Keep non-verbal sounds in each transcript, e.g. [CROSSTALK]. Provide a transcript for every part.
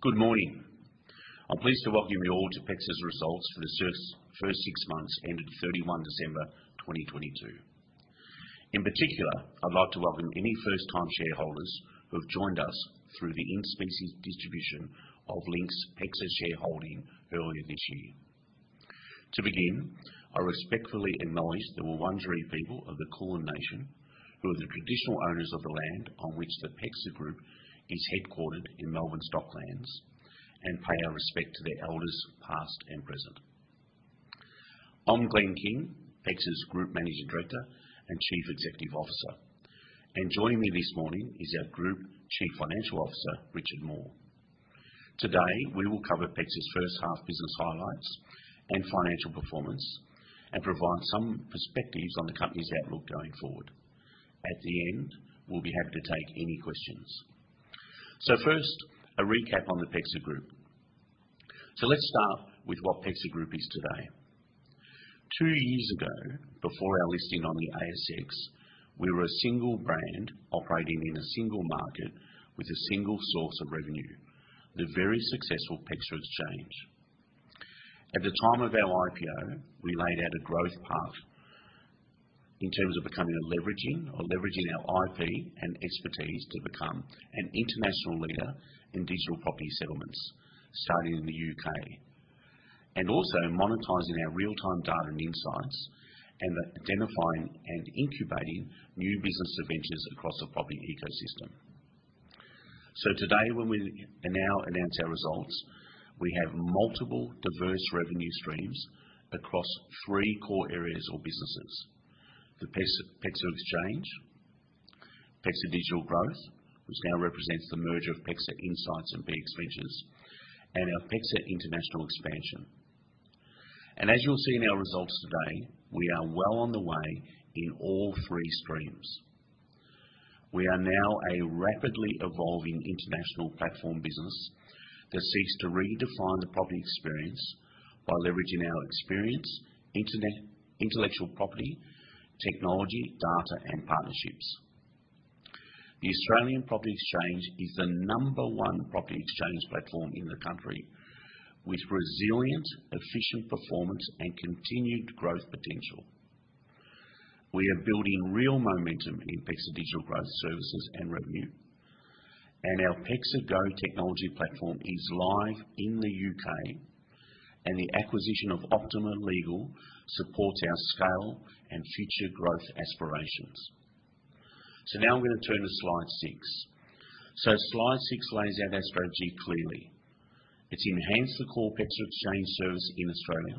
Good morning. I'm pleased to welcome you all to PEXA's results for the first six months ended December 31, 2022. In particular, I'd like to welcome any first-time shareholders who have joined us through the in-specie distribution of Link's PEXA shareholding earlier this year. I respectfully acknowledge the Wurundjeri people of the Kulin Nation, who are the traditional owners of the land on which the PEXA Group is headquartered in Melbourne Docklands, and pay our respect to their elders, past and present. I'm Glenn King, PEXA's Group Managing Director and Chief Executive Officer. Joining me this morning is our Group Chief Financial Officer, Richard Moore. Today, we will cover PEXA's first half business highlights and financial performance and provide some perspectives on the company's outlook going forward. At the end, we'll be happy to take any questions. First, a recap on the PEXA Group. Let's start with what PEXA Group is today. Two years ago, before our listing on the ASX, we were a single brand operating in a single market with a single source of revenue, the very successful PEXA Exchange. At the time of our IPO, we laid out a growth path in terms of becoming leveraging our IP and expertise to become an international leader in digital property settlements, starting in the U.K., and also monetizing our real-time data and insights and identifying and incubating new business adventures across the property ecosystem. Today, when we now announce our results, we have multiple diverse revenue streams across three core areas or businesses. The PEXA Exchange, PEXA Digital Growth, which now represents the merger of PEXA Insights and PX Ventures, and our PEXA International expansion. As you'll see in our results today, we are well on the way in all three streams. We are now a rapidly evolving international platform business that seeks to redefine the property experience by leveraging our experience, internet, intellectual property, technology, data, and partnerships. The Australian Property Exchange is the number one property exchange platform in the country with resilient, efficient performance and continued growth potential. We are building real momentum in PEXA Digital Growth services and revenue. Our PEXA Go technology platform is live in the U.K., and the acquisition of Optima Legal supports our scale and future growth aspirations. Now I'm gonna turn to slide six. Slide six lays out our strategy clearly. It's enhanced the core PEXA Exchange service in Australia.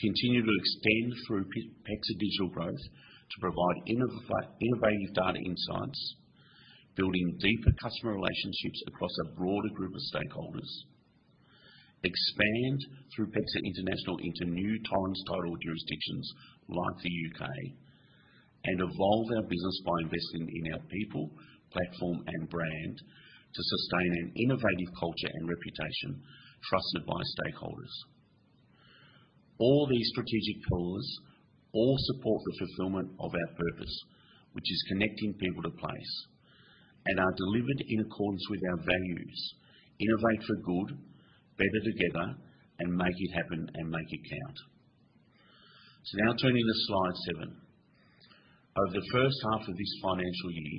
Continue to extend through PEXA Digital Growth to provide innovative data insights, building deeper customer relationships across a broader group of stakeholders. Expand through PEXA International into new Torrens Title jurisdictions like the U.K., evolve our business by investing in our people, platform, and brand to sustain an innovative culture and reputation trusted by stakeholders. All these strategic pillars all support the fulfillment of our purpose, which is connecting people to place and are delivered in accordance with our values, innovate for good, better together, and make it happen, and make it count. Now turning to slide seven. Over the first half of this financial year,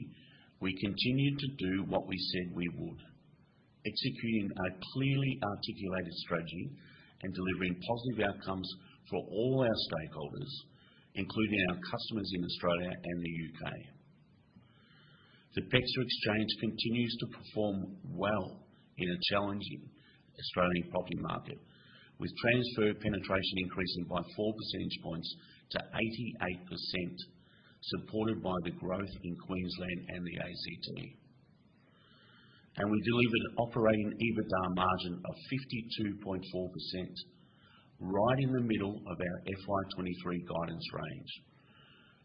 we continued to do what we said we would. Executing a clearly articulated strategy and delivering positive outcomes for all our stakeholders, including our customers in Australia and the U.K. The PEXA Exchange continues to perform well in a challenging Australian property market, with transfer penetration increasing by 4 percentage points to 88%, supported by the growth in Queensland and the ACT. We delivered operating EBITDA margin of 52.4%, right in the middle of our FY 2023 guidance range,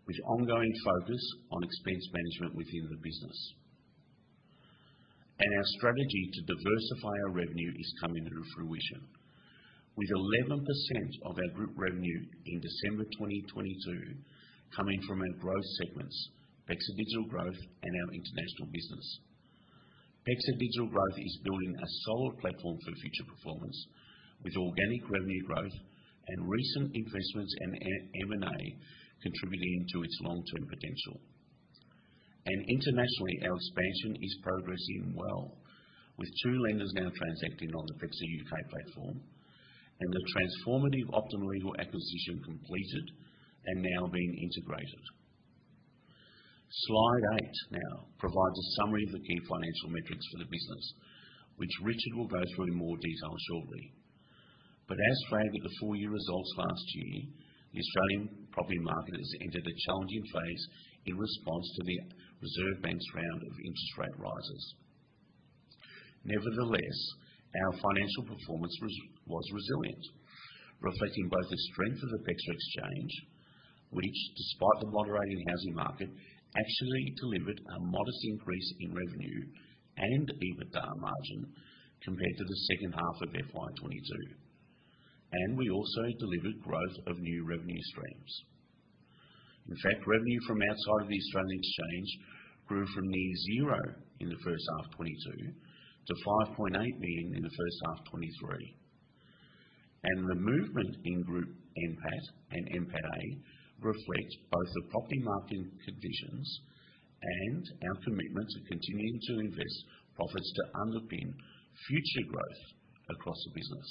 with ongoing focus on expense management within the business. Our strategy to diversify our revenue is coming to fruition, with 11% of our group revenue in December 2022 coming from our growth segments, PEXA Digital Growth and our international business. PEXA Digital Growth is building a solid platform for future performance with organic revenue growth and recent investments in M&A, contributing to its long-term potential. Internationally, our expansion is progressing well, with 2 lenders now transacting on the PEXA UK platform and the transformative Optima Legal acquisition completed and now being integrated. Slide 8 now provides a summary of the key financial metrics for the business, which Richard will go through in more detail shortly. As flagged at the full year results last year, the Australian property market has entered a challenging phase in response to the Reserve Bank's round of interest rate rises. Nevertheless, our financial performance was resilient, reflecting both the strength of the PEXA Exchange, which, despite the moderating housing market, actually delivered a modest increase in revenue and EBITDA margin compared to the second half of FY 2022. We also delivered growth of new revenue streams. In fact, revenue from outside of the Australian Exchange grew from near zero in the first half 2022 to 5.8 million in the first half 2023. The movement in Group NPAT and NPATA reflect both the property market conditions and our commitment to continuing to invest profits to underpin future growth across the business.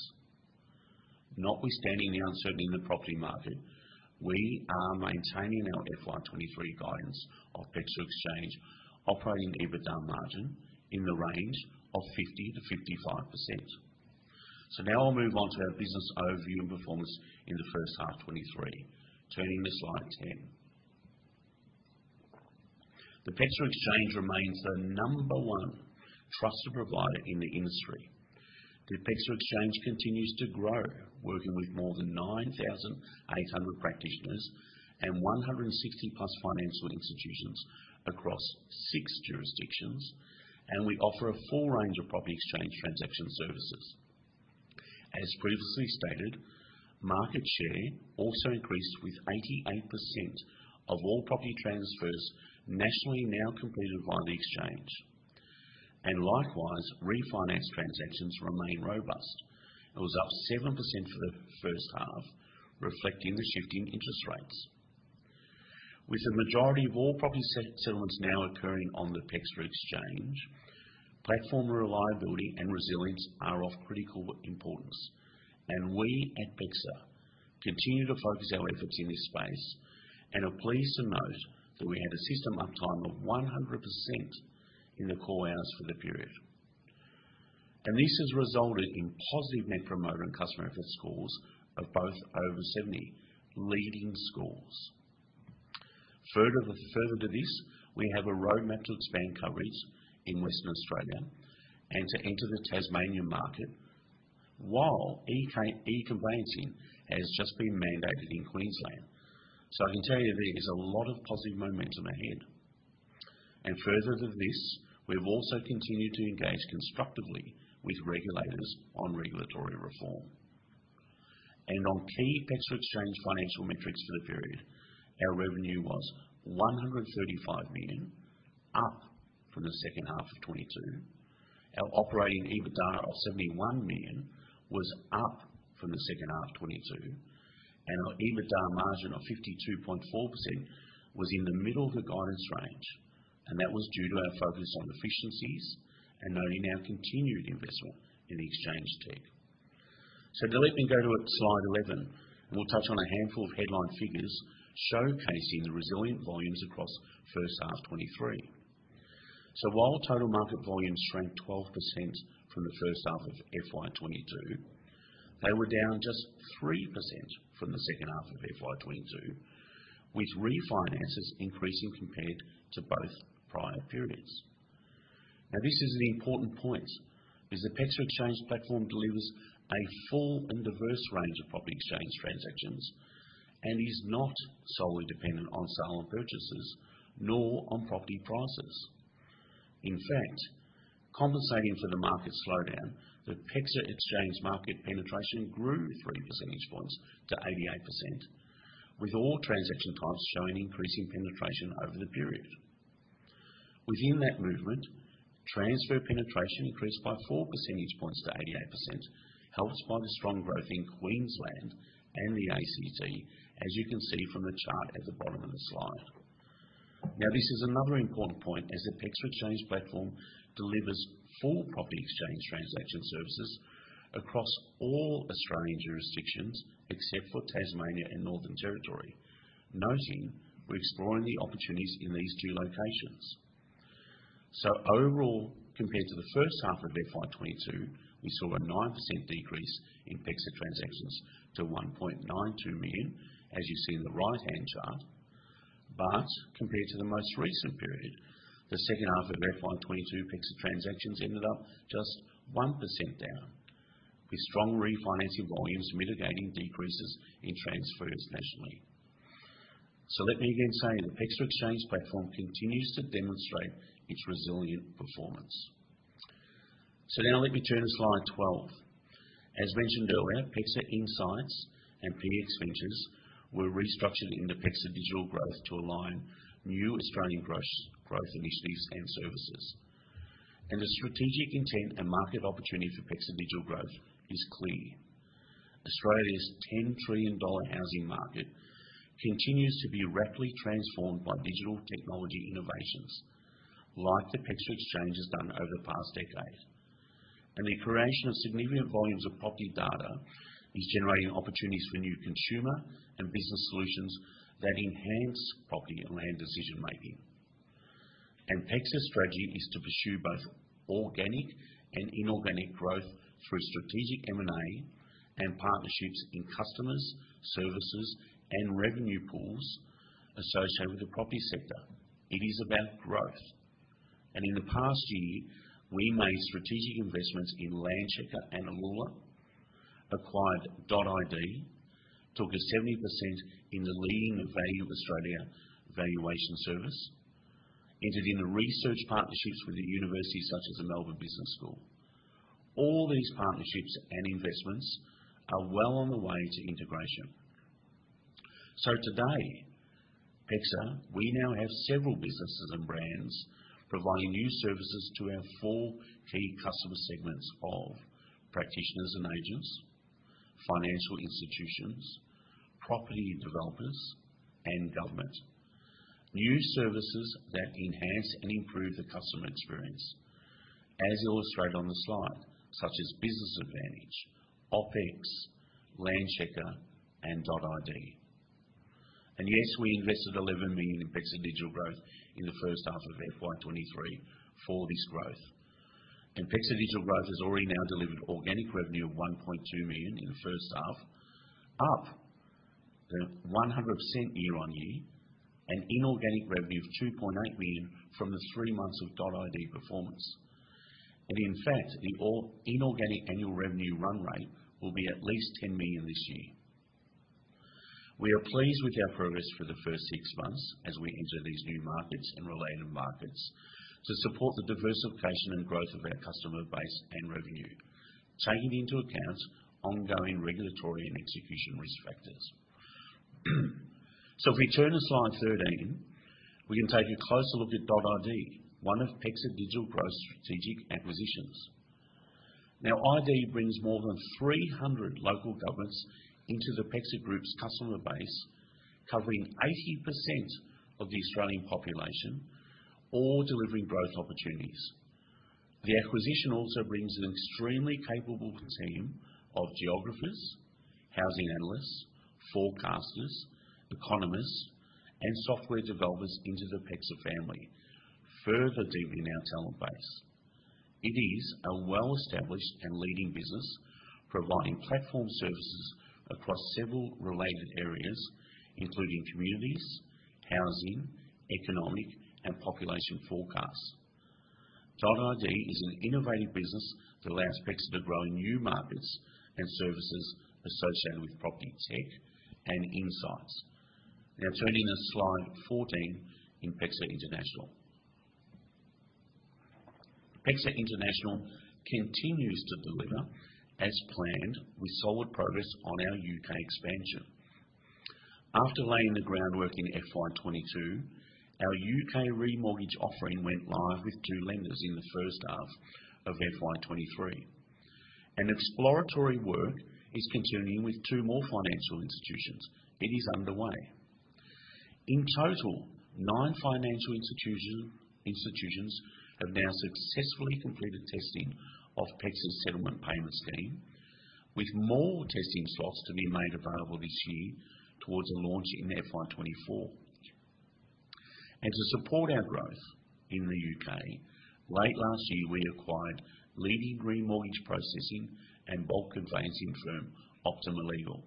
Notwithstanding the uncertainty in the property market, we are maintaining our FY 2023 guidance of PEXA Exchange operating EBITDA margin in the range of 50%-55%. Now I'll move on to our business overview and performance in the first half 2023. Turning to slide 10. The PEXA Exchange remains the number one trusted provider in the industry. The PEXA Exchange continues to grow, working with more than 9,800 practitioners and 160+ financial institutions across six jurisdictions. We offer a full range of property exchange transaction services. As previously stated, market share also increased with 88% of all property transfers nationally now completed via the exchange. Likewise, refinance transactions remain robust. It was up 7% for the first half, reflecting the shift in interest rates. With the majority of all property settlements now occurring on the PEXA Exchange, platform reliability and resilience are of critical importance. We at PEXA continue to focus our efforts in this space and are pleased to note that we had a system uptime of 100% in the core hours for the period. This has resulted in positive Net Promoter and customer effort scores of both over 70 leading scores. Further to this, we have a roadmap to expand coverage in Western Australia and to enter the Tasmanian market while e-conveyancing has just been mandated in Queensland. I can tell you there is a lot of positive momentum ahead. Further to this, we've also continued to engage constructively with regulators on regulatory reform. On key PEXA Exchange financial metrics for the period, our revenue was 135 million, up from the second half of 2022. Our operating EBITDA of 71 million was up from the second half of 2022. Our EBITDA margin of 52.4% was in the middle of the guidance range, and that was due to our focus on efficiencies and noting our continuing investment in exchange tech. Now let me go to slide 11, and we'll touch on a handful of headline figures showcasing the resilient volumes across first half 2023. While total market volumes shrank 12% from the first half of FY 2022, they were down just 3% from the second half of FY 2022, with refinances increasing compared to both prior periods. This is an important point as the PEXA Exchange platform delivers a full and diverse range of property exchange transactions and is not solely dependent on sale and purchases nor on property prices. In fact, compensating for the market slowdown, the PEXA Exchange market penetration grew 3 percentage points to 88%, with all transaction types showing increasing penetration over the period. Within that movement, transfer penetration increased by 4 percentage points to 88%, helped by the strong growth in Queensland and the ACT, as you can see from the chart at the bottom of the slide. This is another important point as the PEXA Exchange platform delivers full property exchange transaction services across all Australian jurisdictions except for Tasmania and Northern Territory. Noting, we're exploring the opportunities in these two locations. Overall, compared to the first half of FY 2022, we saw a 9% decrease in PEXA transactions to 1.92 million, as you see in the right-hand chart. Compared to the most recent period, the second half of FY 2022 PEXA transactions ended up just 1% down, with strong refinancing volumes mitigating decreases in transfers nationally. Let me again say, the PEXA Exchange platform continues to demonstrate its resilient performance. Now let me turn to slide 12. As mentioned earlier, PEXA Insights and PX Ventures were restructured into PEXA Digital Growth to align new Australian growth initiatives and services. The strategic intent and market opportunity for PEXA Digital Growth is clear. Australia's 10 trillion dollar housing market continues to be rapidly transformed by digital technology innovations like the PEXA Exchange has done over the past decade. The creation of significant volumes of property data is generating opportunities for new consumer and business solutions that enhance property and land decision-making. PEXA's strategy is to pursue both organic and inorganic growth through strategic M&A and partnerships in customers, services, and revenue pools associated with the property sector. It is about growth. In the past year, we made strategic investments in Landchecker and Elula, acquired .id, took a 70% in the leading Value Australia valuation service. Entered into research partnerships with the university, such as the Melbourne Business School. All these partnerships and investments are well on the way to integration. Today, PEXA, we now have several businesses and brands providing new services to our four key customer segments of practitioners and agents, financial institutions, property developers, and government. New services that enhance and improve the customer experience, as illustrated on the slide, such as Business Advantage, OpEx, Landchecker, and .id. Yes, we invested $11 million in PEXA Digital Growth in the first half of FY 2023 for this growth. PEXA Digital Growth has already now delivered organic revenue of $1.2 million in the first half, up 100% year-on-year, an inorganic revenue of $2.8 million from the three months of .id performance. In fact, the inorganic annual revenue run rate will be at least $10 million this year. We are pleased with our progress for the first six months as we enter these new markets and related markets to support the diversification and growth of our customer base and revenue, taking into account ongoing regulatory and execution risk factors. If we turn to slide 13, we can take a closer look at .id, one of PEXA Digital Growth's strategic acquisitions. Now, id brings more than 300 local governments into the PEXA Group's customer base, covering 80% of the Australian population, all delivering growth opportunities. The acquisition also brings an extremely capable team of geographers, housing analysts, forecasters, economists and software developers into the PEXA family, further deepening our talent base. It is a well-established and leading business providing platform services across several related areas, including communities, housing, economic, and population forecasts. .id is an innovative business that allows PEXA to grow in new markets and services associated with property tech and insights. Turning to slide 14 in PEXA International. PEXA International continues to deliver as planned with solid progress on our U.K. expansion. After laying the groundwork in FY 2022, our U.K. remortgage offering went live with two lenders in the first half of FY 2023. Exploratory work is continuing with two more financial institutions. It is underway. In total, nine financial institutions have now successfully completed testing of PEXA Pay, with more testing slots to be made available this year towards a launch in FY 2024. To support our growth in the U.K., late last year, we acquired leading remortgage processing and bulk conveyancing firm, Optima Legal.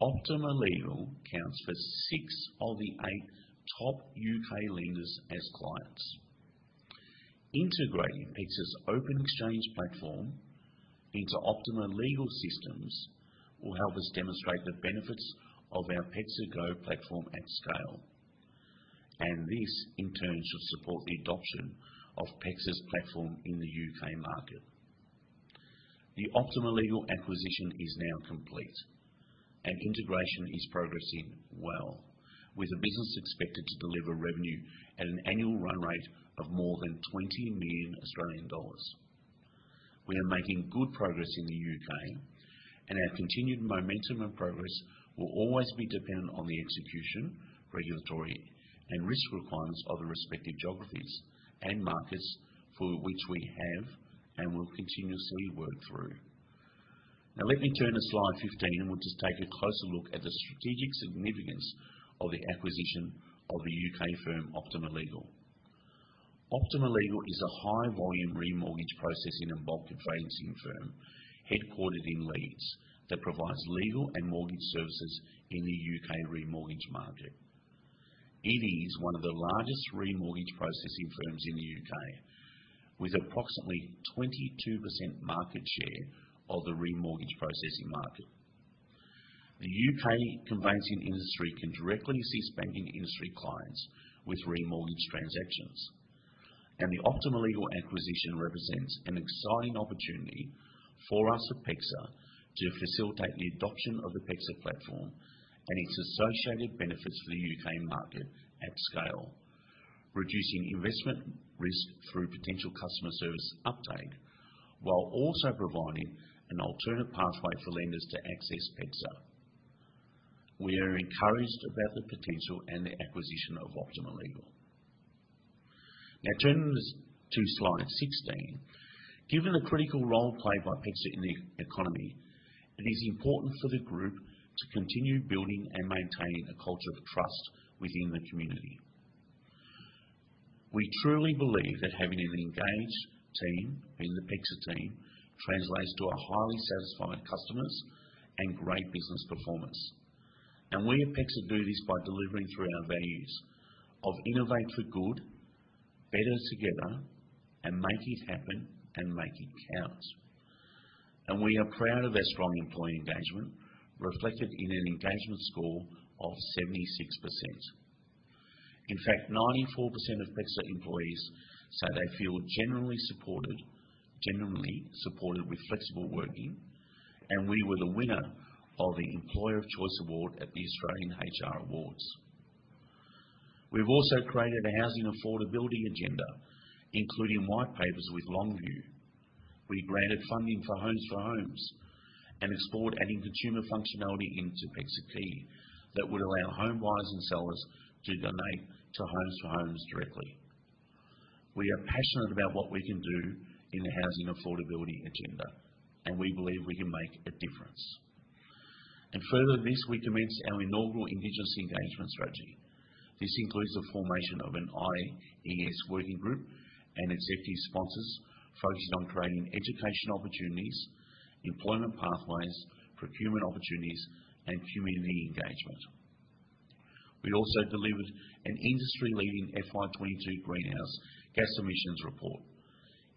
Optima Legal counts for six of the eight top U.K. lenders as clients. Integrating PEXA Exchange into Optima Legal systems will help us demonstrate the benefits of our PEXA Go platform at scale. This, in turn, should support the adoption of PEXA's platform in the U.K. market. The Optima Legal acquisition is now complete. Integration is progressing well with the business expected to deliver revenue at an annual run rate of more than 20 million Australian dollars. We are making good progress in the U.K. Our continued momentum and progress will always be dependent on the execution, regulatory, and risk requirements of the respective geographies and markets for which we have and will continuously work through. Let me turn to slide 15, and we'll just take a closer look at the strategic significance of the acquisition of the U.K. firm, Optima Legal. Optima Legal is a high volume remortgage processing and bulk conveyancing firm, headquartered in Leeds, that provides legal and mortgage services in the U.K. remortgage market. It is one of the largest remortgage processing firms in the U.K., with approximately 22% market share of the remortgage processing market. The U.K. Conveyancing industry can directly assist banking industry clients with remortgage transactions. The Optima Legal acquisition represents an exciting opportunity for us at PEXA to facilitate the adoption of the PEXA platform and its associated benefits for the U.K. Market at scale, reducing investment risk through potential customer service uptake, while also providing an alternate pathway for lenders to access PEXA. We are encouraged about the potential and the acquisition of Optima Legal. Now turning us to slide 16. Given the critical role played by PEXA in the economy, it is important for the Group to continue building and maintaining a culture of trust within the community. We truly believe that having an engaged team in the PEXA team translates to our highly satisfied customers and great business performance. We at PEXA do this by delivering through our values of innovate for good, better together, and make it happen, and make it count. We are proud of their strong employee engagement, reflected in an engagement score of 76%. In fact, 94% of PEXA employees say they feel genuinely supported, genuinely supported with flexible working, and we were the winner of the Employer of Choice Award at the Australian HR Awards. We've also created a housing affordability agenda, including white papers with LongView. We granted funding for Homes for Homes and explored adding consumer functionality into PEXA Key that would allow home buyers and sellers to donate to Homes for Homes directly. We are passionate about what we can do in the housing affordability agenda, and we believe we can make a difference. Further this, we commenced our inaugural Indigenous engagement strategy. This includes the formation of an IES working group and executive sponsors focused on creating educational opportunities, employment pathways, procurement opportunities, and community engagement. We also delivered an industry-leading FY 2022 greenhouse gas emissions report,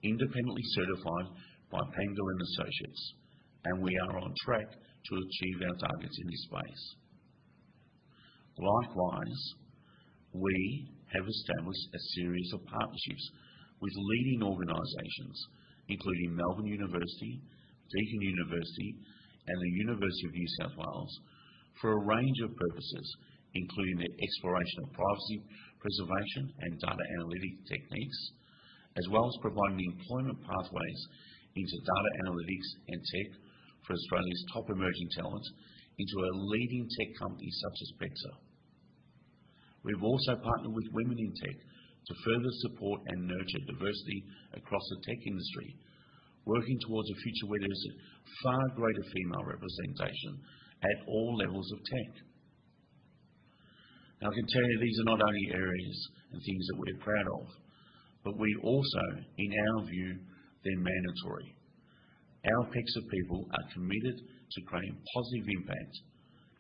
independently certified by Pangolin Associates, and we are on track to achieve our targets in this space. Likewise, we have established a series of partnerships with leading organizations, including University of Melbourne, Deakin University, and the University of New South Wales, for a range of purposes, including the exploration of privacy, preservation, and data analytic techniques, as well as providing employment pathways into data analytics and tech for Australia's top emerging talent into a leading tech company such as PEXA. We've also partnered with Women in Tech to further support and nurture diversity across the tech industry, working towards a future where there's far greater female representation at all levels of tech. I can tell you these are not only areas and things that we're proud of, but we also, in our view, they're mandatory. Our PEXA people are committed to creating positive impact,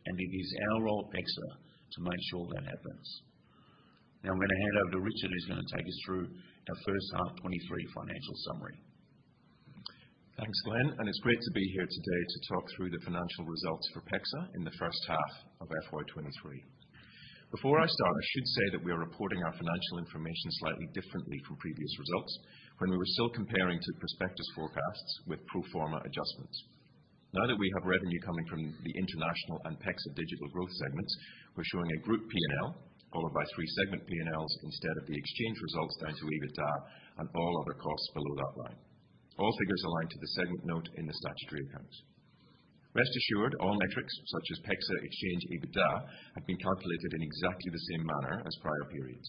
and it is our role at PEXA to make sure that happens. I'm going to hand over to Richard, who's going to take us through our first half 2023 financial summary. Thanks, Len, it's great to be here today to talk through the financial results for PEXA in the first half of FY 2023. Before I start, I should say that we are reporting our financial information slightly differently from previous results when we were still comparing to prospectus forecasts with pro forma adjustments. Now that we have revenue coming from the International and PEXA Digital Growth segments, we're showing a Group P&L followed by three segment P&Ls instead of the Exchange results down to EBITDA and all other costs below that line. All figures align to the segment note in the statutory accounts. Rest assured, all metrics such as PEXA Exchange EBITDA have been calculated in exactly the same manner as prior periods.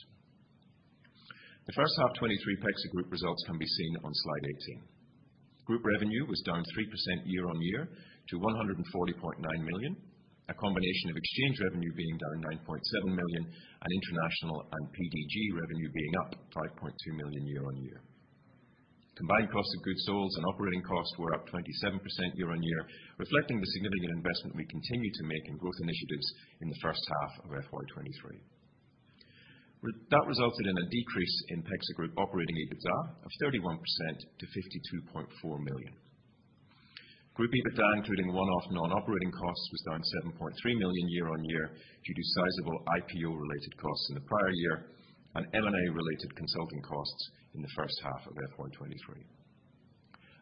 The first half 2023 PEXA Group results can be seen on slide 18. Group revenue was down 3% year-on-year to 140.9 million. A combination of Exchange revenue being down 9.7 million and international and PDG revenue being up 5.2 million year-on-year. Combined cost of goods sold and operating costs were up 27% year-on-year, reflecting the significant investment we continue to make in growth initiatives in the first half of FY 2023. That resulted in a decrease in PEXA Group operating EBITDA of 31% to 52.4 million. Group EBITDA, including one-off non-operating costs, was down 7.3 million year-on-year due to sizable IPO-related costs in the prior year and M&A-related consulting costs in the first half of FY 2023.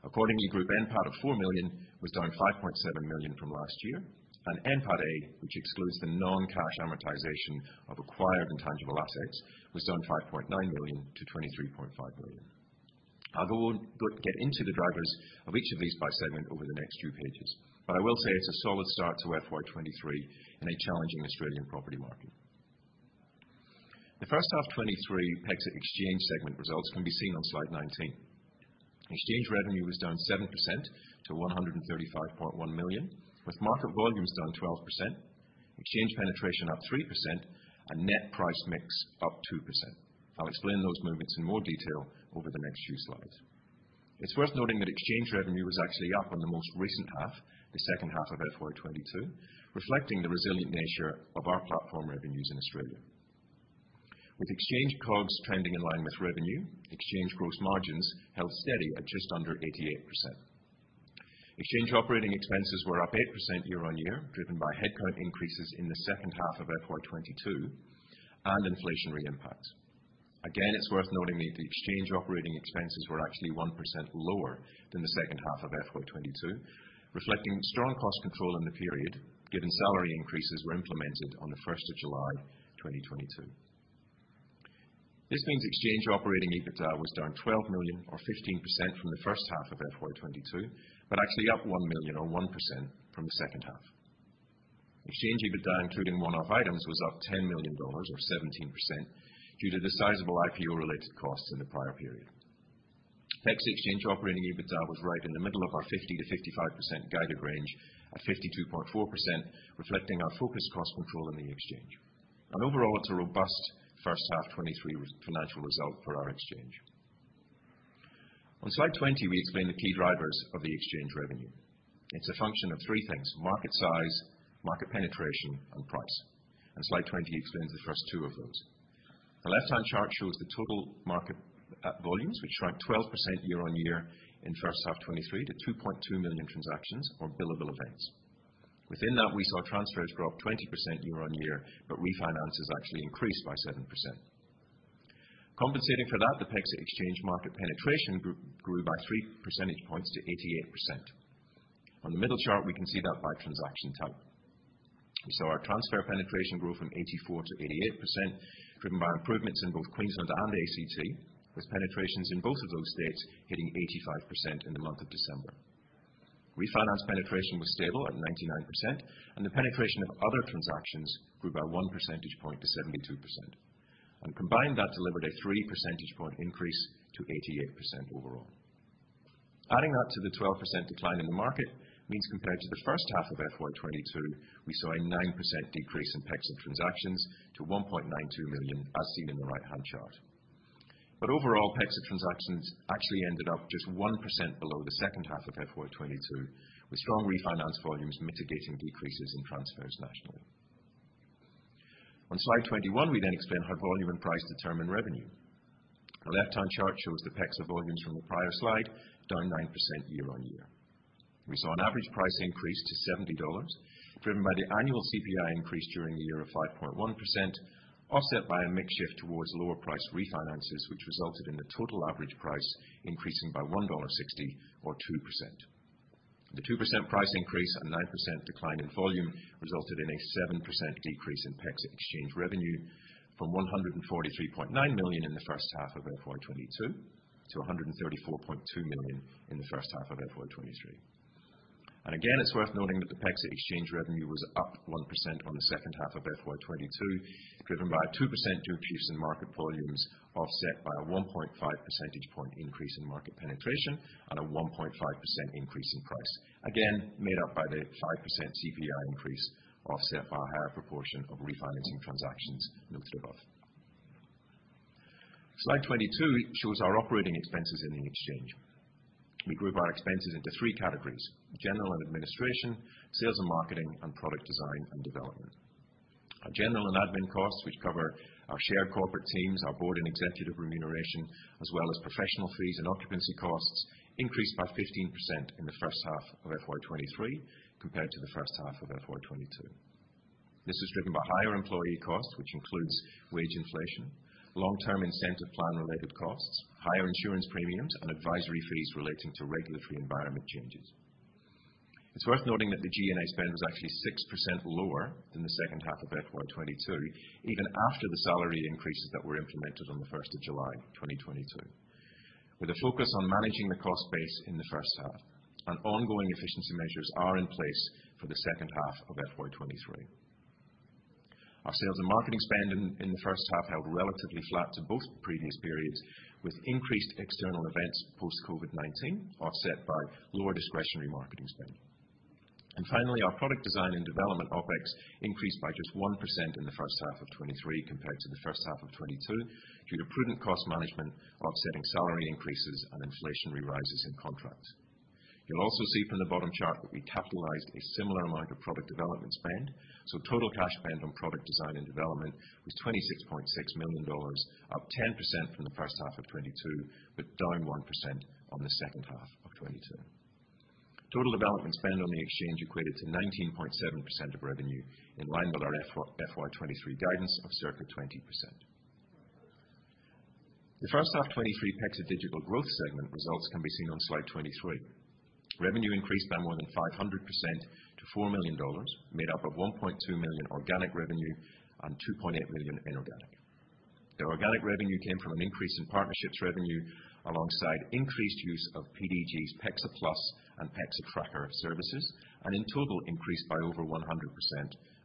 Accordingly, group NPAT of 4 million was down 5.7 million from last year, and NPATA, which excludes the non-cash amortization of acquired intangible assets, was down 5.9 million to 23.5 million. I'll get into the drivers of each of these by segment over the next few pages, but I will say it's a solid start to FY 2023 in a challenging Australian property market. The first half 2023 PEXA Exchange segment results can be seen on slide 19. Exchange revenue was down 7% to 135.1 million, with market volumes down 12%, Exchange penetration up 3%, and net price mix up 2%. I'll explain those movements in more detail over the next few slides. It's worth noting that Exchange revenue was actually up on the most recent half, the second half of FY 2022, reflecting the resilient nature of our platform revenues in Australia. With Exchange COGS trending in line with revenue, Exchange gross margins held steady at just under 88%. Exchange operating expenses were up 8% year on year, driven by headcount increases in the second half of FY 2022 and inflationary impacts. Again, it's worth noting that the Exchange operating expenses were actually 1% lower than the second half of FY 2022, reflecting strong cost control in the period, given salary increases were implemented on July 1st, 2022. This means Exchange operating EBITDA was down 12 million or 15% from the first half of FY 2022, but actually up 1 million or 1% from the second half. Exchange EBITDA, including one-off items, was up 10 million dollars or 17% due to the sizable IPO-related costs in the prior period. PEXA Exchange operating EBITDA was right in the middle of our 50%-55% guided range at 52.4%, reflecting our focused cost control in the Exchange. Overall, it's a robust first half 2023 financial result for our Exchange. On slide 20, we explain the key drivers of the Exchange revenue. It's a function of three things: market size, market penetration, and price. Slide 20 explains the first two of those. The left-hand chart shows the total market volumes which shrunk 12% year-on-year in first half 2023 to 2.2 million transactions or billable events. Within that, we saw transfers drop 20% year-on-year, but refinances actually increased by 7%. Compensating for that, the PEXA Exchange market penetration grew by 3 percentage points to 88%. On the middle chart, we can see that by transaction type. We saw our transfer penetration grow from 84%-88%, driven by improvements in both Queensland and ACT, with penetrations in both of those states hitting 85% in the month of December. Refinance penetration was stable at 99%, and the penetration of other transactions grew by 1 percentage point to 72%. Combined, that delivered a 3 percentage point increase to 88% overall. Adding that to the 12% decline in the market means compared to the first half of FY 2022, we saw a 9% decrease in PEXA transactions to 1.92 million, as seen in the right-hand chart. Overall, PEXA transactions actually ended up just 1% below the second half of FY 2022, with strong refinance volumes mitigating decreases in transfers nationally. On slide 21, we then explain how volume and price determine revenue. The left-hand chart shows the PEXA volumes from the prior slide, down 9% year-on-year. We saw an average price increase to 70 dollars, driven by the annual CPI increase during the year of 5.1%, offset by a mix shift towards lower price refinances, which resulted in the total average price increasing by 1.60 dollar or 2%. The 2% price increase and 9% decline in volume resulted in a 7% decrease in PEXA Exchange revenue from AUD 143.9 million in the first half of FY 2022 to AUD 134.2 million in the first half of FY 2023. Again, it's worth noting that the PEXA Exchange revenue was up 1% on the second half of FY 2022, driven by a 2% decrease in market volumes, offset by a 1.5 percentage point increase in market penetration and a 1.5% increase in price. Again, made up by the 5% CPI increase offset by a higher proportion of refinancing transactions noted above. Slide 22 shows our operating expenses in the Exchange. We group our expenses into three categories: general and administration, sales and marketing, and product design and development. Our general and admin costs, which cover our shared corporate teams, our board and executive remuneration, as well as professional fees and occupancy costs, increased by 15% in the first half of FY 2023 compared to the first half of FY 2022. This is driven by higher employee costs, which includes wage inflation, long-term incentive plan-related costs, higher insurance premiums, and advisory fees relating to regulatory environment changes. It's worth noting that the G&A spend was actually 6% lower than the second half of FY 2022, even after the salary increases that were implemented on the 1st of July, 2022. With a focus on managing the cost base in the first half and ongoing efficiency measures are in place for the second half of FY 2023. Our sales and marketing spend in the first half held relatively flat to both previous periods, with increased external events post COVID-19 offset by lower discretionary marketing spend. Finally, our product design and development OpEx increased by just 1% in the first half of 2023 compared to the first half of 2022 due to prudent cost management offsetting salary increases and inflationary rises in contracts. You'll also see from the bottom chart that we capitalized a similar amount of product development spend, total cash spend on product design and development was 26.6 million dollars, up 10% from the first half of 2022, but down 1% on the second half of 2022. Total development spend on the PEXA Exchange equated to 19.7% of revenue, in line with our FY 2023 guidance of circa 20%. The first half 2023 PEXA Digital Growth segment results can be seen on slide 23. Revenue increased by more than 500% to 4 million dollars, made up of 1.2 million organic revenue and 2.8 million inorganic. The organic revenue came from an increase in partnerships revenue alongside increased use of PDG's PEXA Plus and PEXA Tracker services, in total increased by over 100%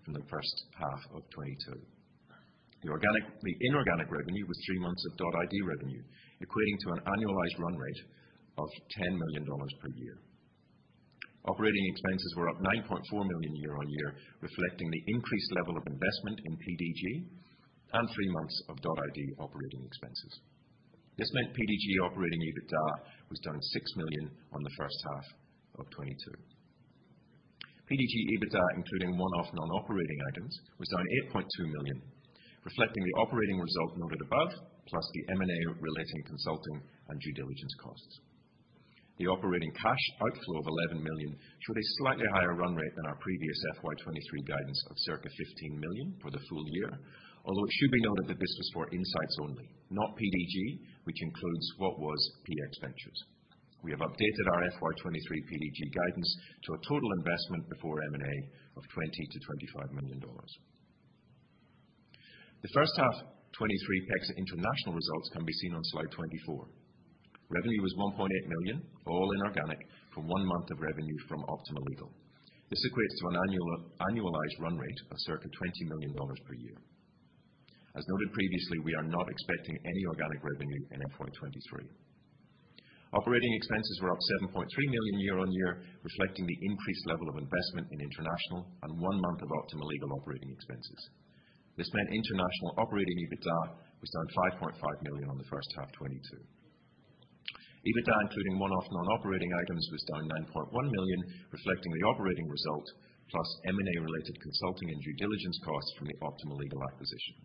from the first half of 2022. The inorganic revenue was 3 months of .id revenue, equating to an annualized run rate of 10 million dollars per year. Operating expenses were up 9.4 million year-on-year, reflecting the increased level of investment in PDG and three months of .id operating expenses. This meant PDG operating EBITDA was down 6 million on the first half of 2022. PDG EBITDA, including one-off non-operating items, was down 8.2 million, reflecting the operating result noted above, plus the M&A-relating consulting and due diligence costs. The operating cash outflow of 11 million showed a slightly higher run rate than our previous FY 2023 guidance of circa 15 million for the full year. It should be noted that this was for PEXA Insights only, not PDG, which includes what was PX Ventures. We have updated our FY 2023 PDG guidance to a total investment before M&A of 20 million-25 million dollars. The first half 2023 PEXA International results can be seen on slide 24. Revenue was 1.8 million, all inorganic, from one month of revenue from Optima Legal. This equates to an annualized run rate of circa 20 million dollars per year. Noted previously, we are not expecting any organic revenue in FY 2023. Operating expenses were up 7.3 million year-on-year, reflecting the increased level of investment in International and one month of Optima Legal operating expenses. This meant International operating EBITDA was down 5.5 million on the first half 2022. EBITDA, including one-off non-operating items, was down 9.1 million, reflecting the operating result, plus M&A-related consulting and due diligence costs from the Optima Legal acquisition.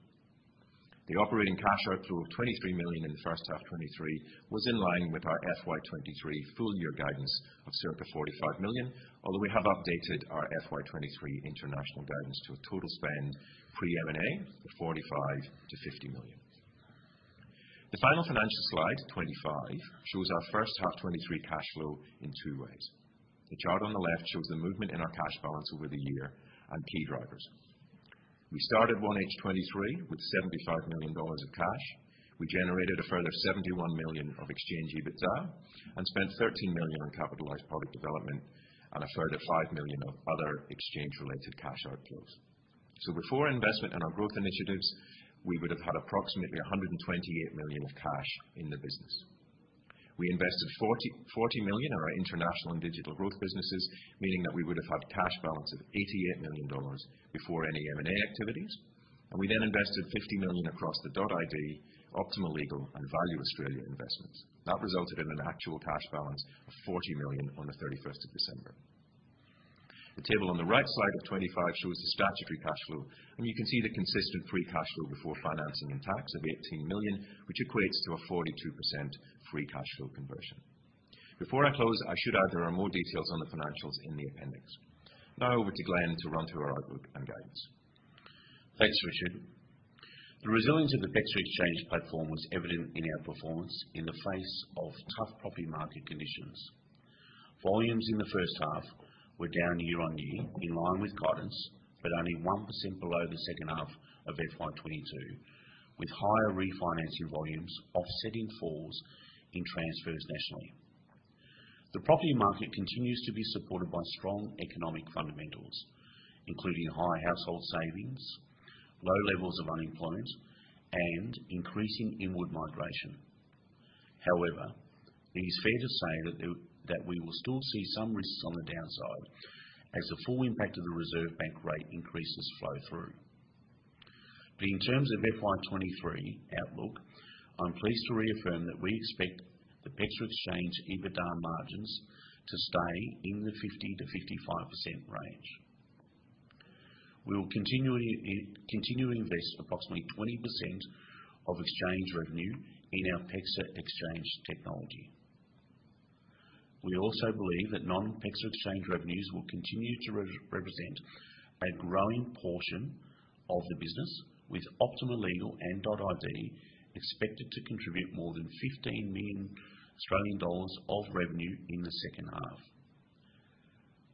The operating cash outflow of 23 million in the first half 2023 was in line with our FY 2023 full year guidance of circa 45 million. Although we have updated our FY 2023 International guidance to a total spend pre-M&A of 45 million-50 million. The final financial slide, 25, shows our first half 2023 cash flow in two ways. The chart on the left shows the movement in our cash balance over the year and key drivers. We started 1H 2023 with 75 million dollars of cash. We generated a further 71 million of exchange EBITDA and spent 13 million on capitalized product development and a further 5 million of other exchange related cash outflows. Before investment in our growth initiatives, we would have had approximately 128 million of cash in the business. We invested 40 million in our International and Digital Growth businesses, meaning that we would have had cash balance of 88 million dollars before any M&A activities. We then invested 50 million across the .id, Optima Legal, and Value Australia investments. That resulted in an actual cash balance of 40 million on the December 1st. The table on the right side of 25 shows the statutory cash flow, and you can see the consistent free cash flow before financing and tax of 18 million, which equates to a 42% free cash flow conversion. Before I close, I should add there are more details on the financials in the appendix. Now over to Glenn to run through our outlook and guidance. Thanks, Richard. The resilience of the PEXA Exchange platform was evident in our performance in the face of tough property market conditions. Volumes in the first half were down year-on-year, in line with guidance, but only 1% below the second half of FY 2022, with higher refinancing volumes offsetting falls in transfers nationally. The property market continues to be supported by strong economic fundamentals, including high household savings, low levels of unemployment, and increasing inward migration. It is fair to say that we will still see some risks on the downside as the full impact of the Reserve Bank rate increases flow through. In terms of FY 2023 outlook, I'm pleased to reaffirm that we expect the PEXA Exchange EBITDA margins to stay in the 50%-55% range. We will continue to invest approximately 20% of Exchange revenue in our PEXA Exchange technology. We also believe that non-PEXA Exchange revenues will continue to represent a growing portion of the business, with Optima Legal and .id expected to contribute more than 15 million Australian dollars of revenue in the second half.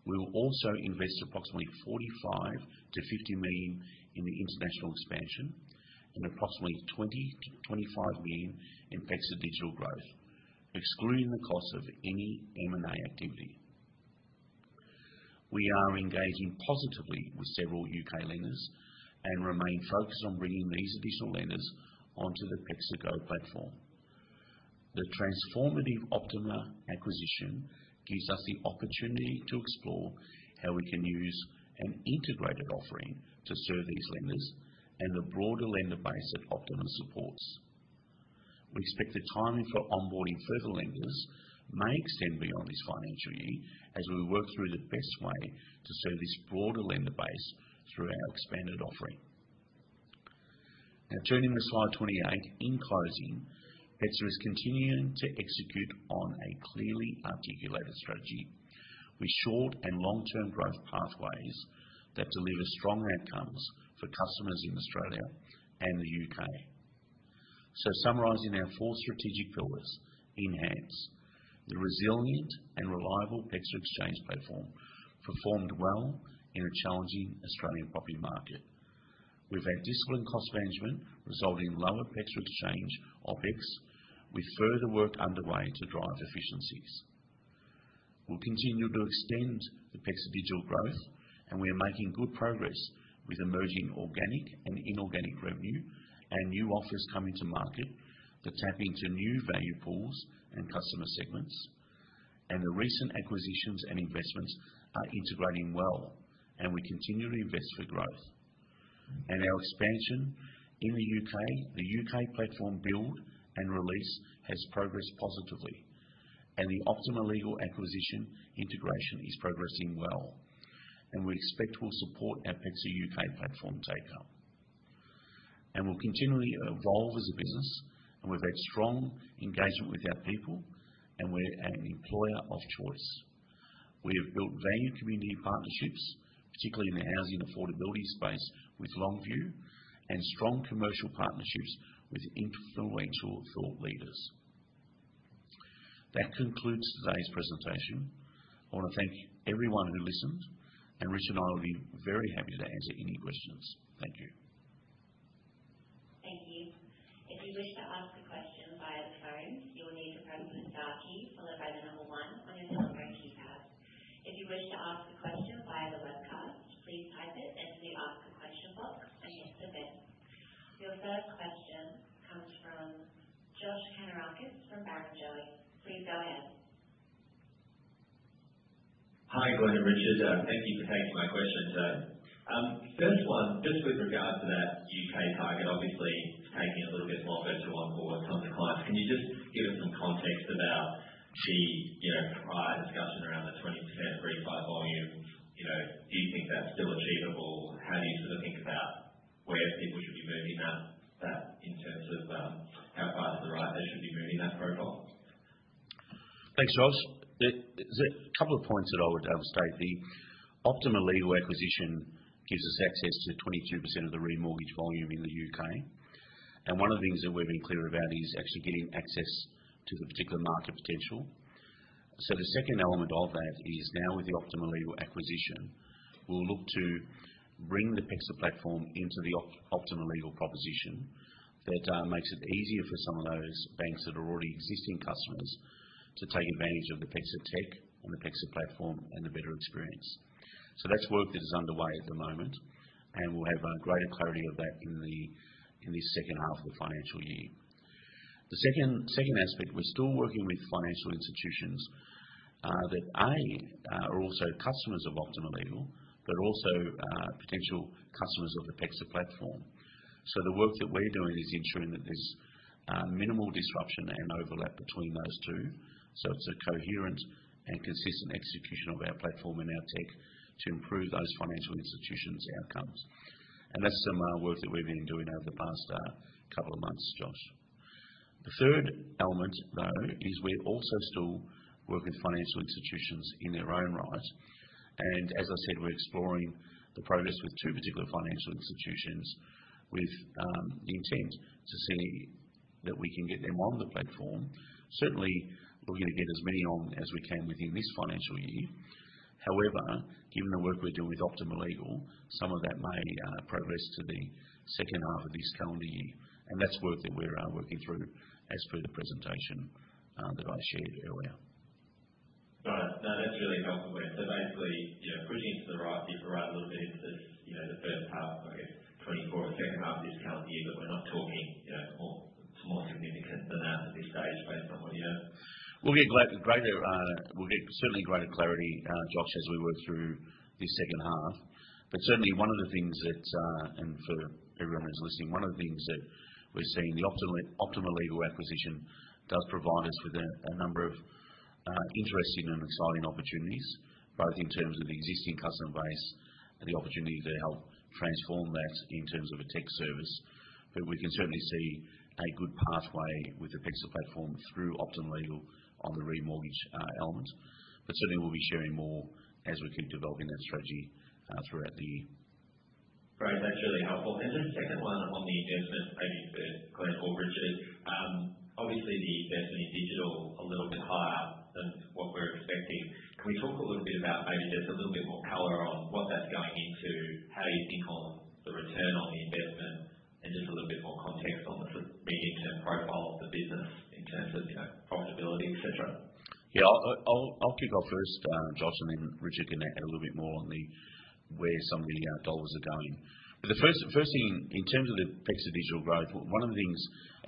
We will also invest approximately 45 million-50 million in the international expansion and approximately 20 million-25 million in PEXA Digital Growth, excluding the cost of any M&A activity. We are engaging positively with several UK lenders and remain focused on bringing these additional lenders onto the PEXA Go platform. The transformative Optima Legal acquisition gives us the opportunity to explore how we can use an integrated offering to serve these lenders and the broader lender base that Optima Legal supports. We expect the timing for onboarding further lenders may extend beyond this financial year as we work through the best way to serve this broader lender base through our expanded offering. Turning to slide 28. In closing, PEXA is continuing to execute on a clearly articulated strategy with short and long-term growth pathways that deliver strong outcomes for customers in Australia and the UK. Summarizing our four strategic pillars. Enhance. The resilient and reliable PEXA Exchange platform performed well in a challenging Australian property market. We've had disciplined cost management resulting in lower PEXA Exchange OpEx, with further work underway to drive efficiencies. We'll continue to extend the PEXA Digital Growth, and we are making good progress with emerging organic and inorganic revenue and new offers coming to market that tap into new value pools and customer segments. The recent acquisitions and investments are integrating well, and we continue to invest for growth. Our expansion in the U.K. The UK platform build and release has progressed positively, and the Optima Legal acquisition integration is progressing well, and we expect will support our PEXA UK platform take-up. We'll continually evolve as a business. We've had strong engagement with our people, and we're an employer of choice. We have built valued community partnerships, particularly in the housing affordability space, with LongView and strong commercial partnerships with influential thought leaders. That concludes today's presentation. I wanna thank everyone who listened, and Rich and I will be very happy to answer any questions. Thank you. Thank you. If you wish to ask a question via the phone, you will need to press the star key followed by the one on your telephone keypad. If you wish to ask a question via the webcast, please type it into the Ask a Question box and hit Submit. Your first question comes from Josh Kannourakis from Barrenjoey. Please go ahead. Hi, Glenn and Richard. Thank you for taking my questions. First one, just with regard to that U.K. target, obviously it's taking a little bit longer to onboard some clients. Can you just give us some context about the, you know, prior discussion around the 20% refi volume? You know, do you think that's still achievable? How do you sort of think about where people should be moving that in terms of, how far to the right they should be moving that profile? Thanks, Josh. The couple of points that I would state. The Optima Legal acquisition gives us access to 22% of the remortgage volume in the U.K. One of the things that we've been clear about is actually getting access to the particular market potential. The second element of that is now with the Optima Legal acquisition, we'll look to bring the PEXA platform into the Optima Legal proposition that makes it easier for some of those banks that are already existing customers to take advantage of the PEXA tech and the PEXA platform and the better experience. That's work that is underway at the moment, and we'll have greater clarity of that in the second half of the financial year. The second aspect, we're still working with financial institutions, that, A, are also customers of Optima Legal, but also potential customers of the PEXA platform. The work that we're doing is ensuring that there's minimal disruption and overlap between those two. It's a coherent and consistent execution of our platform and our tech to improve those financial institutions' outcomes. That's some work that we've been doing over the past couple of months, Josh. The third element, though, is we also still work with financial institutions in their own right, and as I said, we're exploring the progress with two particular financial institutions with the intent to see that we can get them on the platform. Certainly, we're gonna get as many on as we can within this financial year. However, given the work we're doing with Optima Legal, some of that may progress to the second half of this calendar year, and that's work that we're working through as per the presentation that I shared earlier. Got it. No, that's really helpful, Glenn. Basically, you know, pushing it to the right a little bit into the, you know, the first half, I guess, 2024 or second half of this calendar year. We're not talking, you know, it's more significant than that at this stage based on what you know. We'll get greater, we'll get certainly greater clarity, Josh, as we work through this second half. Certainly one of the things that, and for everyone who's listening, one of the things that we're seeing, the Optima Legal acquisition does provide us with a number of interesting and exciting opportunities, both in terms of the existing customer base and the opportunity to help transform that in terms of a tech service. We can certainly see a good pathway with the PEXA platform through Optima Legal on the remortgage element. Certainly we'll be sharing more as we keep developing that strategy throughout the year. Great. That's really helpful. Second one on the investment, maybe for Glenn or Richard. Obviously the investment in digital a little bit higher than what we're expecting. Can we talk a little bit about maybe just a little bit more color on what that's going into, how you think on the return on the investment, and just a little bit more context on the sort of medium-term profile of the business in terms of, you know, profitability, et cetera? I'll kick off first, Josh, and then Richard can add a little bit more on where some of the dollars are going. The first thing, in terms of the PEXA Digital Growth, one of the things,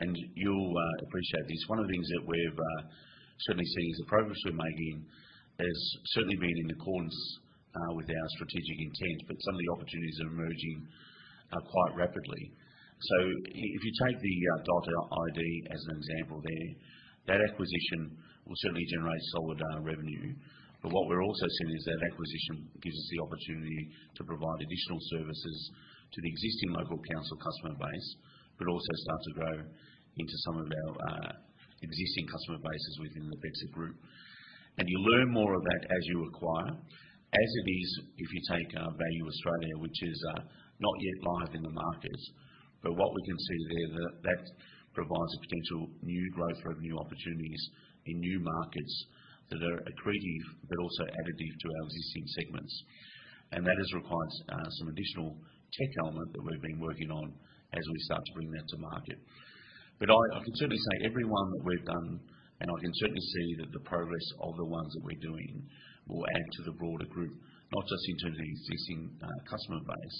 and you'll appreciate this, one of the things that we've certainly seen is the progress we're making has certainly been in accordance with our strategic intent, but some of the opportunities are emerging quite rapidly. If you take the .id as an example there, that acquisition will certainly generate solid revenue. What we're also seeing is that acquisition gives us the opportunity to provide additional services to the existing local council customer base, but also start to grow into some of our existing customer bases within the PEXA Group. You learn more of that as you acquire. As it is, if you take Value Australia, which is not yet live in the market, what we can see there that provides a potential new growth, revenue opportunities in new markets that are accretive but also additive to our existing segments. That has required some additional tech element that we've been working on as we start to bring that to market. I can certainly say every one that we've done, and I can certainly see that the progress of the ones that we're doing will add to the broader group, not just in terms of the existing customer base,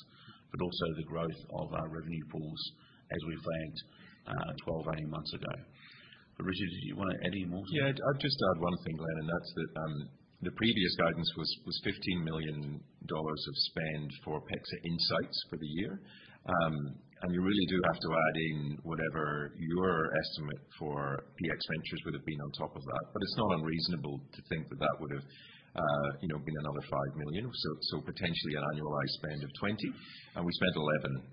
but also the growth of our revenue pools as we've banked 12, 18 months ago. Richard, did you wanna add any more to that? Yeah, I'd just add one thing, Glenn, and that's that the previous guidance was 15 million dollars of spend for PEXA Insights for the year. You really do have to add in whatever your estimate for PX Ventures would have been on top of that. It's not unreasonable to think that that would have, you know, been another 5 million. Potentially an annualized spend of 20, and we spent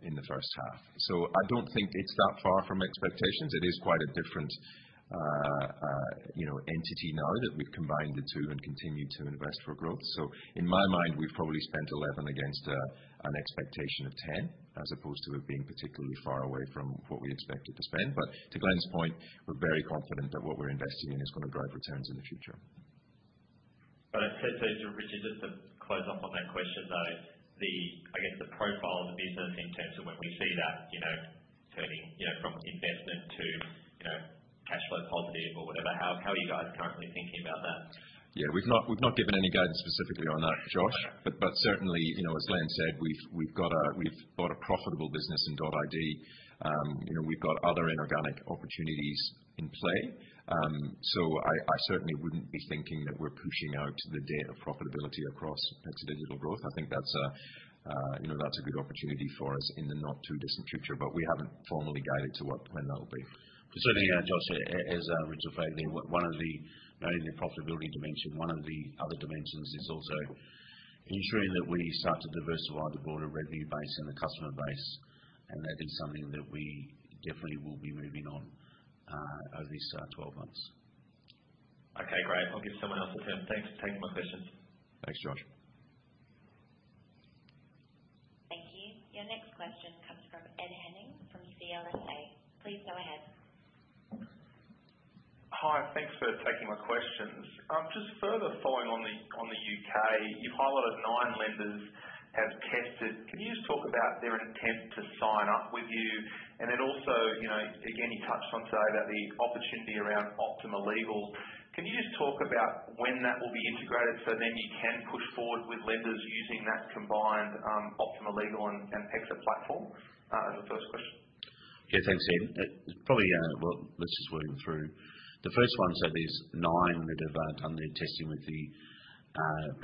11 in the first half. I don't think it's that far from expectations. It is quite a different, you know, entity now that we've combined the two and continued to invest for growth. In my mind, we've probably spent 11 against an expectation of 10, as opposed to it being particularly far away from what we expected to spend. To Glenn's point, we're very confident that what we're investing in is gonna drive returns in the future. Got it. Richard, just to close off on that question, though, I guess, the profile of the business in terms of when we see that, you know, turning, you know, from the investment to, you know... Positive or whatever. How are you guys currently thinking about that? Yeah, we've not given any guidance specifically on that, Josh. Certainly, you know, as Len said, we've got a profitable business in .id. You know, we've got other inorganic opportunities in play. I certainly wouldn't be thinking that we're pushing out the date of profitability across PEXA Digital Growth. I think that's, you know, that's a good opportunity for us in the not too distant future. We haven't formally guided to what, when that'll be. Certainly, Josh, as Rich was saying there, one of the... Not only the profitability dimension, one of the other dimensions is also ensuring that we start to diversify the broader revenue base and the customer base. That is something that we definitely will be moving on over this 12 months. Okay, great. I'll give someone else a turn. Thanks for taking my question. Thanks, Josh. Thank you. Your next question comes from Ed Henning from CLSA. Please go ahead. Hi, thanks for taking my questions. Just further following on the U.K., you've highlighted nine lenders have tested. Can you just talk about their intent to sign up with you? Then also, you know, again, you touched on today about the opportunity around Optima Legal. Can you just talk about when that will be integrated, so then you can push forward with lenders using that combined Optima Legal and PEXA platform? As a first question. Yeah, thanks, Ed. Probably, well, let's just work through. The first one, so there's nine that have done their testing with the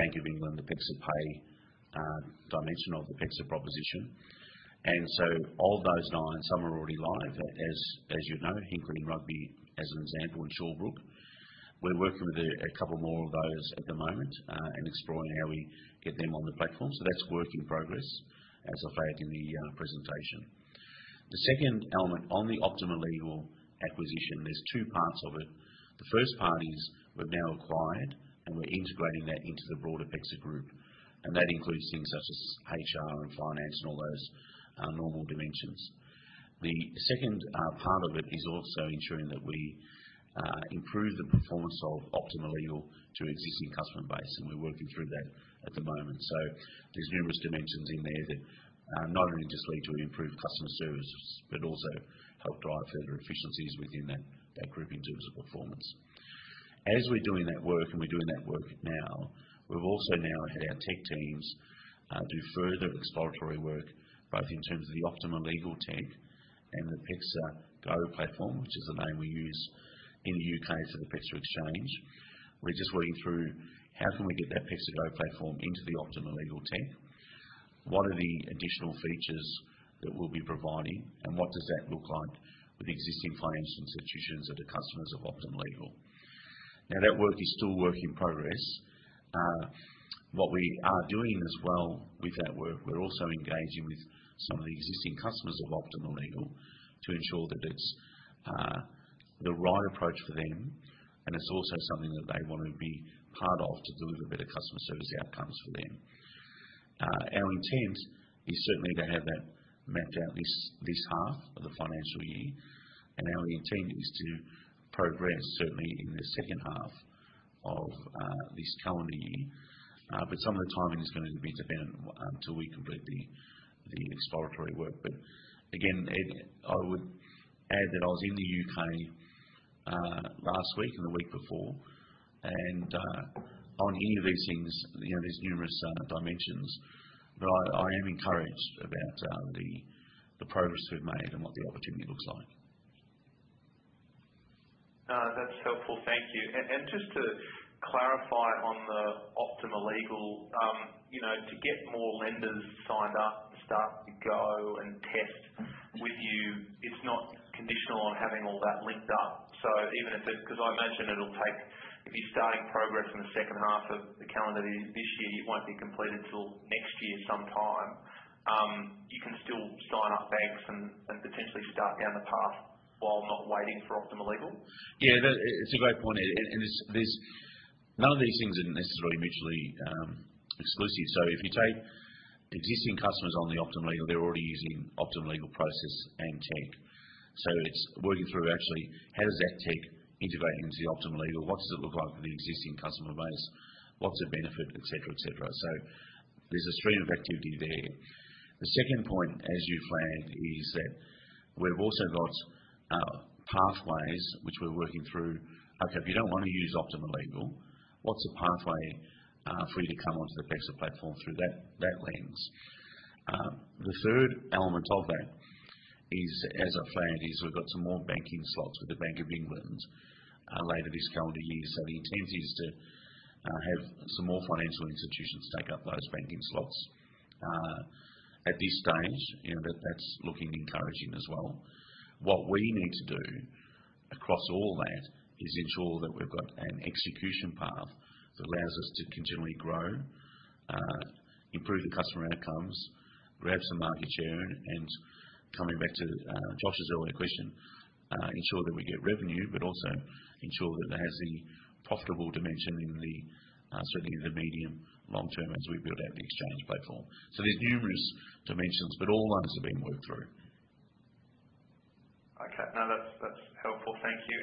Bank of England, the PEXA Pay dimension of the PEXA proposition. Of those nine, some are already live, as you'd know, including Rugby, as an example, and Shawbrook. We're working with a couple more of those at the moment, and exploring how we get them on the platform. That's work in progress, as I flagged in the presentation. The second element on the Optima Legal acquisition, there's two parts of it. The first part is we've now acquired, and we're integrating that into the broader PEXA Group, and that includes things such as HR and finance and all those normal dimensions. The second part of it is also ensuring that we improve the performance of Optima Legal to existing customer base. We're working through that at the moment. There's numerous dimensions in there that not only just lead to improved customer services, but also help drive further efficiencies within that group in terms of performance. As we're doing that work, and we're doing that work now, we've also now had our tech teams do further exploratory work, both in terms of the Optima Legal tech and the PEXA Go platform, which is the name we use in the U.K. for the PEXA Exchange. We're just working through how can we get that PEXA Go platform into the Optima Legal tech? What are the additional features that we'll be providing? What does that look like with existing financial institutions that are customers of Optima Legal? That work is still work in progress. What we are doing as well with that work, we're also engaging with some of the existing customers of Optima Legal to ensure that it's the right approach for them, and it's also something that they want to be part of to deliver better customer service outcomes for them. Our intent is certainly to have that mapped out this half of the financial year, and our intent is to progress certainly in the second half of this calendar year. Some of the timing is going to be dependent on till we complete the exploratory work. Again, Ed, I would add that I was in the U.K. last week and the week before, and on any of these things, you know, there's numerous dimensions. I am encouraged about the progress we've made and what the opportunity looks like. That's helpful. Thank you. Just to clarify on the Optima Legal, you know, to get more lenders signed up to start to go and test with you, it's not conditional on having all that linked up. Even if it's 'cause I imagine it'll take, if you're starting progress in the second half of the calendar year this year, you won't be completed till next year sometime, you can still sign up banks and potentially start down the path while not waiting for Optima Legal? It's a great point, Ed, and there's none of these things are necessarily mutually exclusive. If you take existing customers on the Optima Legal, they're already using Optima Legal process and tech. It's working through actually how does that tech integrate into the Optima Legal? What does it look like for the existing customer base? What's the benefit, et cetera, et cetera. There's a stream of activity there. The second point, as you flagged, is that we've also got pathways which we're working through. Okay, if you don't wanna use Optima Legal, what's the pathway for you to come onto the PEXA platform through that lens? The third element of that is, as I flagged, is we've got some more banking slots with the Bank of England later this calendar year. The intent is to have some more financial institutions take up those banking slots. At this stage, you know, that's looking encouraging as well. What we need to do across all that is ensure that we've got an execution path that allows us to continually grow, improve the customer outcomes, grab some market share, and coming back to Josh's earlier question, ensure that we get revenue. Also ensure that it has the profitable dimension in the certainly in the medium long term as we build out the exchange platform. There's numerous dimensions, but all those are being worked through. Okay. No, that's helpful. Thank you.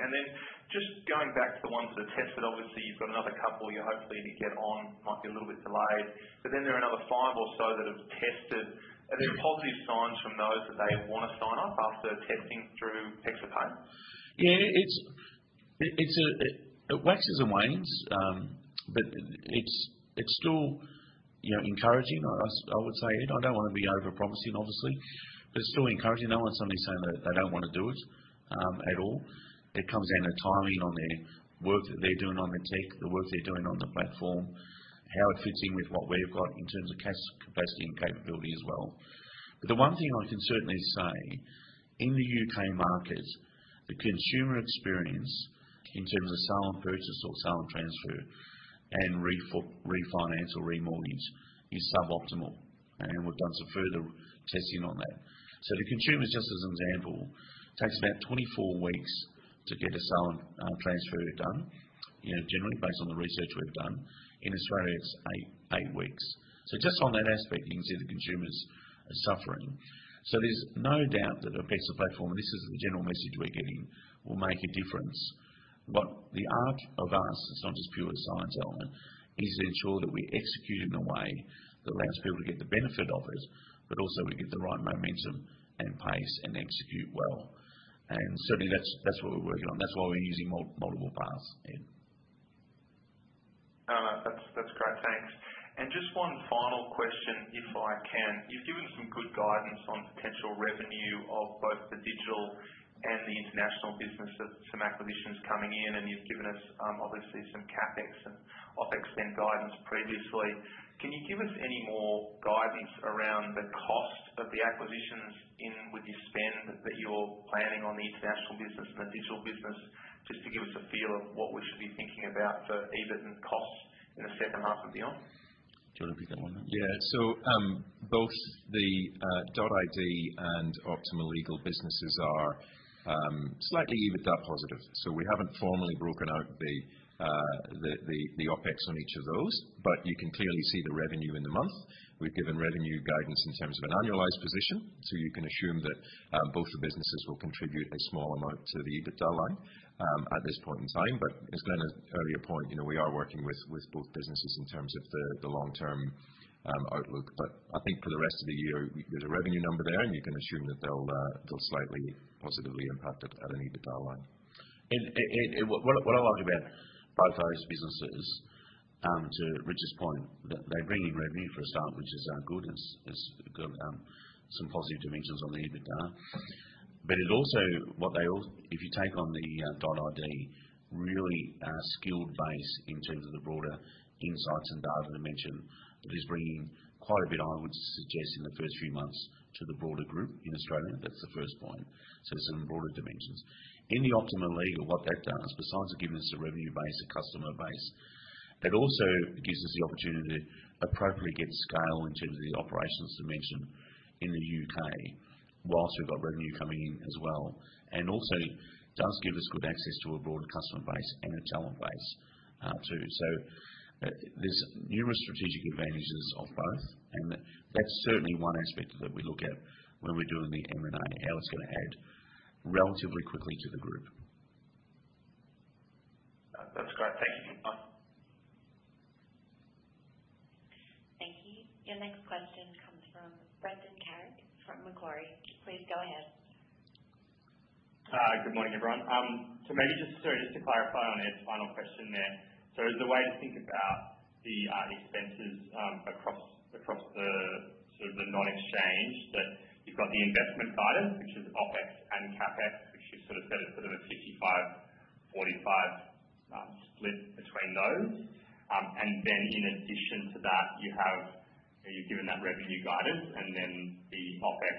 Just going back to the ones that are tested, obviously you've got another couple you're hoping to get on, might be a little bit delayed, but then there are another five or so that have tested. Yeah. Are there positive signs from those that they wanna sign up after testing through PEXA Pay? It waxes and wanes, but it's still, you know, encouraging, I would say, Ed. I don't wanna be over-promising, obviously, but it's still encouraging. No one's suddenly saying that they don't wanna do it at all. It comes down to timing on their work that they're doing on their tech, the work they're doing on the platform, how it fits in with what we've got in terms of capacity and capability as well. But the one thing I can certainly say, in the U.K. market, the consumer experience in terms of sale and purchase or sale and transfer and refinance or remortgage is suboptimal. We've done some further testing on that. The consumers, just as an example, takes about 24 weeks to get a sale and transfer done, you know, generally based on the research we've done. In Australia, it's eight weeks. Just on that aspect, you can see the consumers are suffering. There's no doubt that, okay, platform, this is the general message we're getting, will make a difference. What the art of us, it's not just pure science, [AUDIO DISTORTION] is to ensure that we execute in a way that allows people to get the benefit of it, but also we get the right momentum and pace and execute well. Certainly, that's what we're working on. That's why we're using multiple paths, Ed. That's great. Thanks. Just one final question, if I can. You've given some good guidance on potential revenue of both the digital and the international business that some acquisitions coming in, and you've given us, obviously some CapEx and OpEx spend guidance previously. Can you give us any more guidance around the cost of the acquisitions in with your spend that you're planning on the international business and the digital business, just to give us a feel of what we should be thinking about for EBIT and costs in the second half and beyond? Do you wanna pick that one up? Both the .id and Optima Legal businesses are slightly EBITDA positive. We haven't formally broken out the OpEx on each of those, but you can clearly see the revenue in the month. We've given revenue guidance in terms of an annualized position, you can assume that both the businesses will contribute a small amount to the EBITDA line at this point in time. As Glenn's earlier point, you know, we are working with both businesses in terms of the long-term outlook. I think for the rest of the year, there's a revenue number there, and you can assume that they'll slightly positively impact it at an EBITDA line. What I like about both those businesses, to Rich's point, they're bringing revenue for a start, which is good. It's got some positive dimensions on the EBITDA. It also, if you take on the .id, really skilled base in terms of the broader insights and data dimension that is bringing quite a bit, I would suggest, in the first few months to the broader group in Australia. That's the first point. There's some broader dimensions. In the Optima Legal, what that does, besides giving us a revenue base, a customer base, it also gives us the opportunity to appropriately get scale in terms of the operations dimension in the U.K. whilst we've got revenue coming in as well. Does give us good access to a broader customer base and a talent base, too. There's numerous strategic advantages of both, and that's certainly one aspect that we look at when we're doing the M&A, how it's gonna add relatively quickly to the group. That's great. Thank you. [CROSSTALK] Thank you. Your next question comes from Brendan Carrig from Macquarie. Please go ahead. Good morning, everyone. Maybe just, sorry, just to clarify on Ed's final question there. Is the way to think about the expenses across the sort of the non-exchange, that you've got the investment guidance, which is OpEx and CapEx, which you sort of said is sort of a 55/45 split between those. In addition to that, you have, you've given that revenue guidance and then the OpEx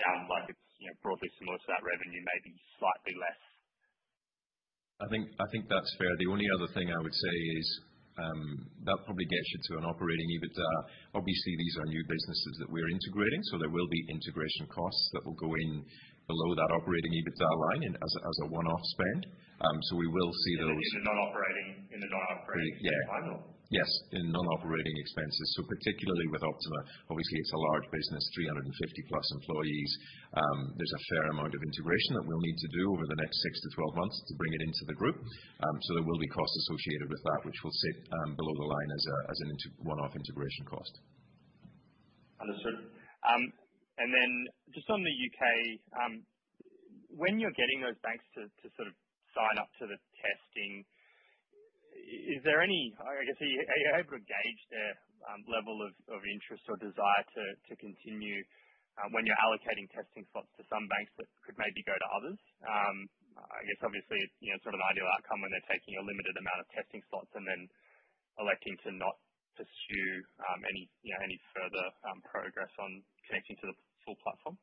sounds like it's, you know, broadly similar to that revenue, maybe slightly less. I think that's fair. The only other thing I would say is that probably gets you to an operating EBITDA. Obviously, these are new businesses that we're integrating, there will be integration costs that will go in below that operating EBITDA line as a one-off spend. We will see those. In the non-operating. Yeah. EBITDA line. Yes, in non-operating expenses. Particularly with Optima, obviously it's a large business, 350+ employees. There's a fair amount of integration that we'll need to do over the next six to 12 months to bring it into the group. There will be costs associated with that, which we'll set below the line as a one-off integration cost. Understood. Just on the U.K., when you're getting those banks to sort of sign up to the testing, is there any, I guess, are you able to gauge their level of interest or desire to continue when you're allocating testing slots to some banks that could maybe go to others? I guess obviously it's, you know, sort of an ideal outcome when they're taking a limited amount of testing slots and then electing to not pursue any, you know, any further progress on connecting to the full platform.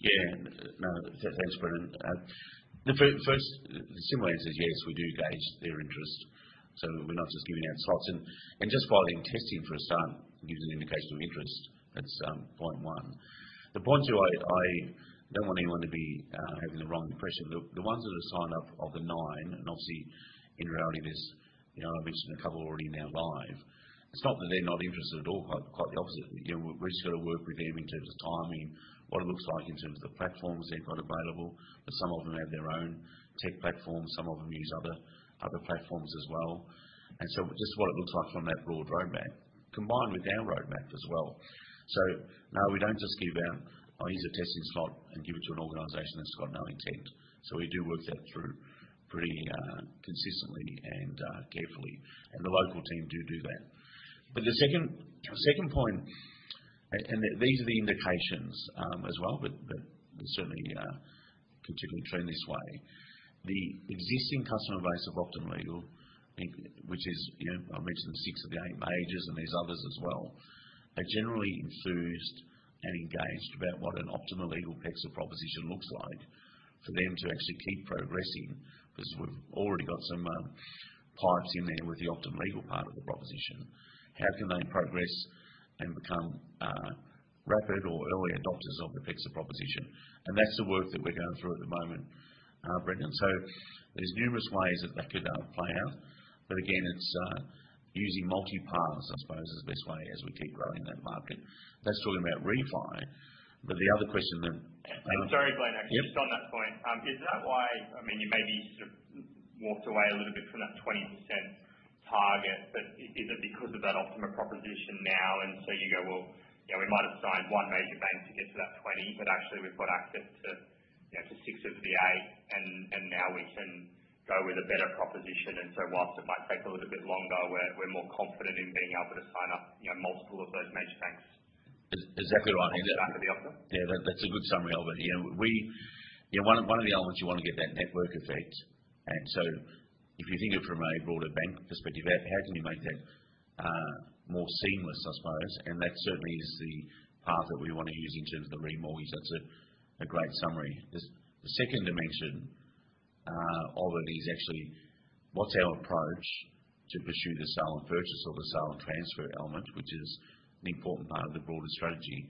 No, thanks, Brendan. The first, the simple answer is yes, we do gauge their interest. We're not just giving out slots and just filing testing for a start gives an indication of interest. That's point one. Point two, I don't want anyone to be having the wrong impression. Look, the ones that have signed up of the nine, and obviously in reality there's, you know, I've mentioned a couple already now live. It's not that they're not interested at all, quite the opposite. You know, we've just got to work with them in terms of timing, what it looks like in terms of the platforms they've got available. Some of them have their own tech platforms, some of them use other platforms as well. Just what it looks like on that broad roadmap, combined with our roadmap as well. No, we don't just give out, "Oh, here's a testing slot," and give it to an organization that's got no intent. We do work that through pretty consistently and carefully. The local team do that. The second point, and these are the indications as well. Certainly, continue to trend this way. The existing customer base of Optima Legal, which is, you know, I mentioned the six of the eight majors, and there's others as well. They're generally enthused and engaged about what an Optima Legal PEXA proposition looks like for them to actually keep progressing, because we've already got some pipes in there with the Optima Legal part of the proposition. How can they progress and become, rapid or early adopters of the PEXA proposition? That's the work that we're going through at the moment, Brendan. There's numerous ways that that could play out. Again, it's using multi-paths, I suppose, is the best way as we keep growing that market. That's talking about refi. The other question that Sorry, Glenn, actually. Yep. Just on that point. I mean, you maybe sort of walked away a little bit from that 20% target, but is it because of that Optima proposition now and so you go, "Well, you know, we might've signed 1 major bank to get to that 20, but actually we've got access to, you know, to six of the eight. And now we can go with a better proposition. So whilst it might take a little bit longer, we're more confident in being able to sign up, you know, multiple of those major banks? Exactly right. off the back of the Optima. Yeah, that's a good summary. [AUDIO DISTORTION] You know, one of the elements, you wanna get that network effect. If you think of from a broader bank perspective, how can you make that more seamless, I suppose? That certainly is the path that we wanna use in terms of the remortgage. That's a great summary. The second dimension of it is actually what's our approach to pursue the sale and purchase or the sale and transfer element, which is an important part of the broader strategy.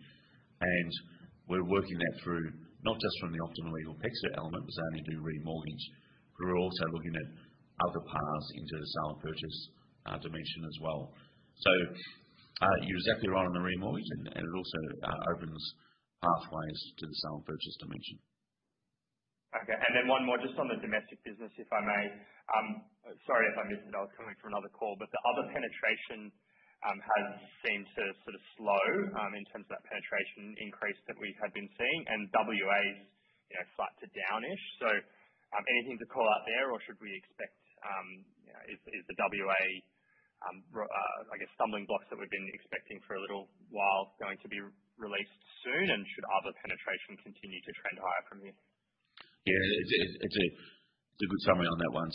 We're working that through, not just from the Optima Legal PEXA element, because they only do remortgage. We're also looking at other paths into the sale and purchase dimension as well. You're exactly right on the remortgage and it also opens pathways to the sale and purchase dimension. Okay. Then one more just on the domestic business, if I may? Sorry if I missed it. I was coming from another call. Yeah. The other penetration has seemed to sort of slow, in terms of that penetration increase that we had been seeing. WA's, you know, slight to down-ish. Anything to call out there? Should we expect, you know, is the WA, I guess, stumbling blocks that we've been expecting for a little while going to be released soon? Should other penetration continue to trend higher from here? Yeah. It's a good summary on that one.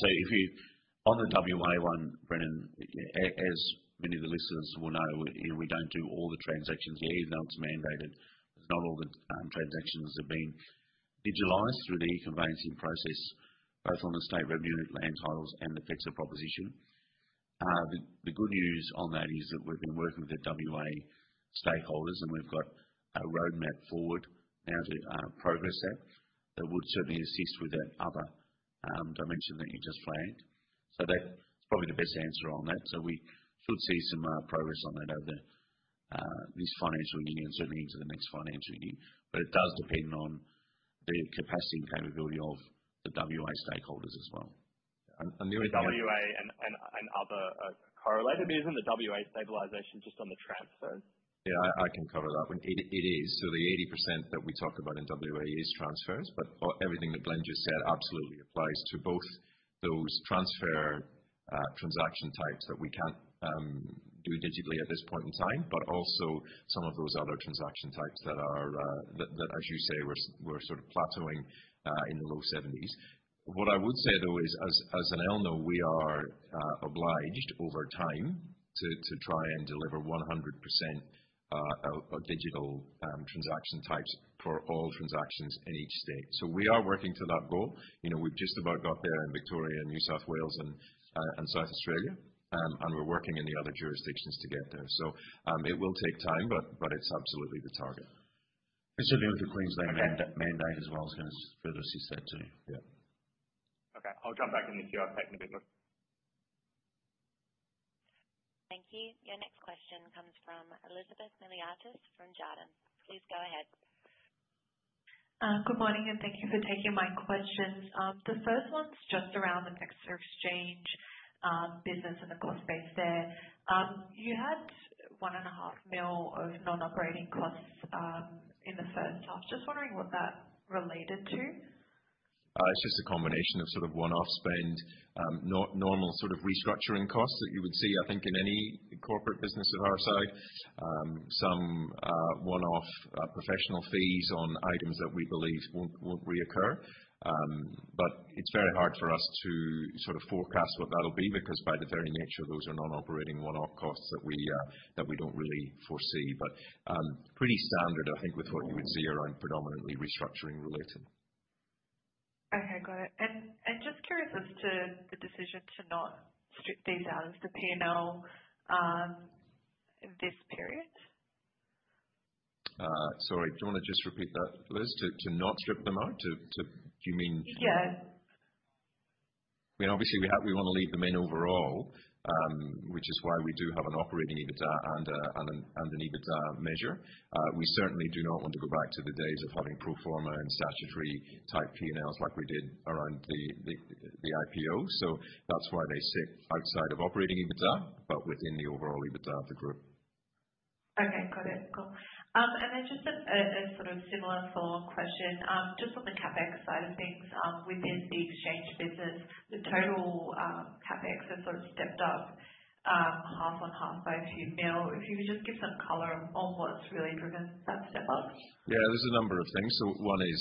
On the WA one, Brendan, as many of the listeners will know, you know, we don't do all the transactions here, even though it's mandated. Not all the transactions have been digitalized through the e-conveyancing process, both on the State Revenue Land Titles and the PEXA proposition. The good news on that is that we've been working with the WA stakeholders, and we've got a roadmap forward now to progress that would certainly assist with that other dimension that you just flagged. That's probably the best answer on that. We should see some progress on that over this financial year and certainly into the next financial year. It does depend on the capacity and capability of the WA stakeholders as well. The other thing- The WA and other correlated. Isn't the WA stabilization just on the transfers? I can cover that one. It is. The 80% that we talk about in WA is transfers. Everything that Glenn just said absolutely applies to both those transfer transaction types that we can't do digitally at this point in time, but also some of those other transaction types that are that as you say, we're sort of plateauing in the low seventies. What I would say, though, is as an ELNO, we are obliged over time to try and deliver 100% digital transaction types for all transactions in each state. We are working to that goal. You know, we've just about got there in Victoria and New South Wales and South Australia. We're working in the other jurisdictions to get there. It will take time, but it's absolutely the target. Certainly with the Queensland mandate as well is gonna assist that too. Yeah. Okay. I'll jump back in the queue. I've taken a bit long. Thank you. Your next question comes from Elizabeth Miliatis from Jarden. Please go ahead. Good morning. Thank you for taking my questions. The first one's just around the PEXA Exchange business and the cost base there. You had 1.5 million of non-operating costs in the first half. Just wondering what that related to? It's just a combination of sort of one-off spend, normal sort of restructuring costs that you would see, I think, in any corporate business of our size. Some one-off professional fees on items that we believe won't reoccur. It's very hard for us to sort of forecast what that'll be, because by the very nature, those are non-operating one-off costs that we don't really foresee. Pretty standard, I think, with what you would see around predominantly restructuring related. Okay, got it. Just curious as to the decision to not strip these out as the P&L this period? Sorry. Do you wanna just repeat that, Liz? To not strip them out? To? Yeah. I mean, obviously, we want to leave them in overall, which is why we do have an operating EBITDA and an EBITDA measure. We certainly do not want to go back to the days of having pro forma and statutory type P&Ls like we did around the IPO. That's why they sit outside of operating EBITDA, but within the overall EBITDA of the group. Okay, got it. Cool. Just a sort of similar follow-up question. Just on the CapEx side of things, within the Exchange business, the total CapEx has sort of stepped up half-on-half by a few mil. If you would just give some color on what's really driven that step up. Yeah, there's a number of things. One is,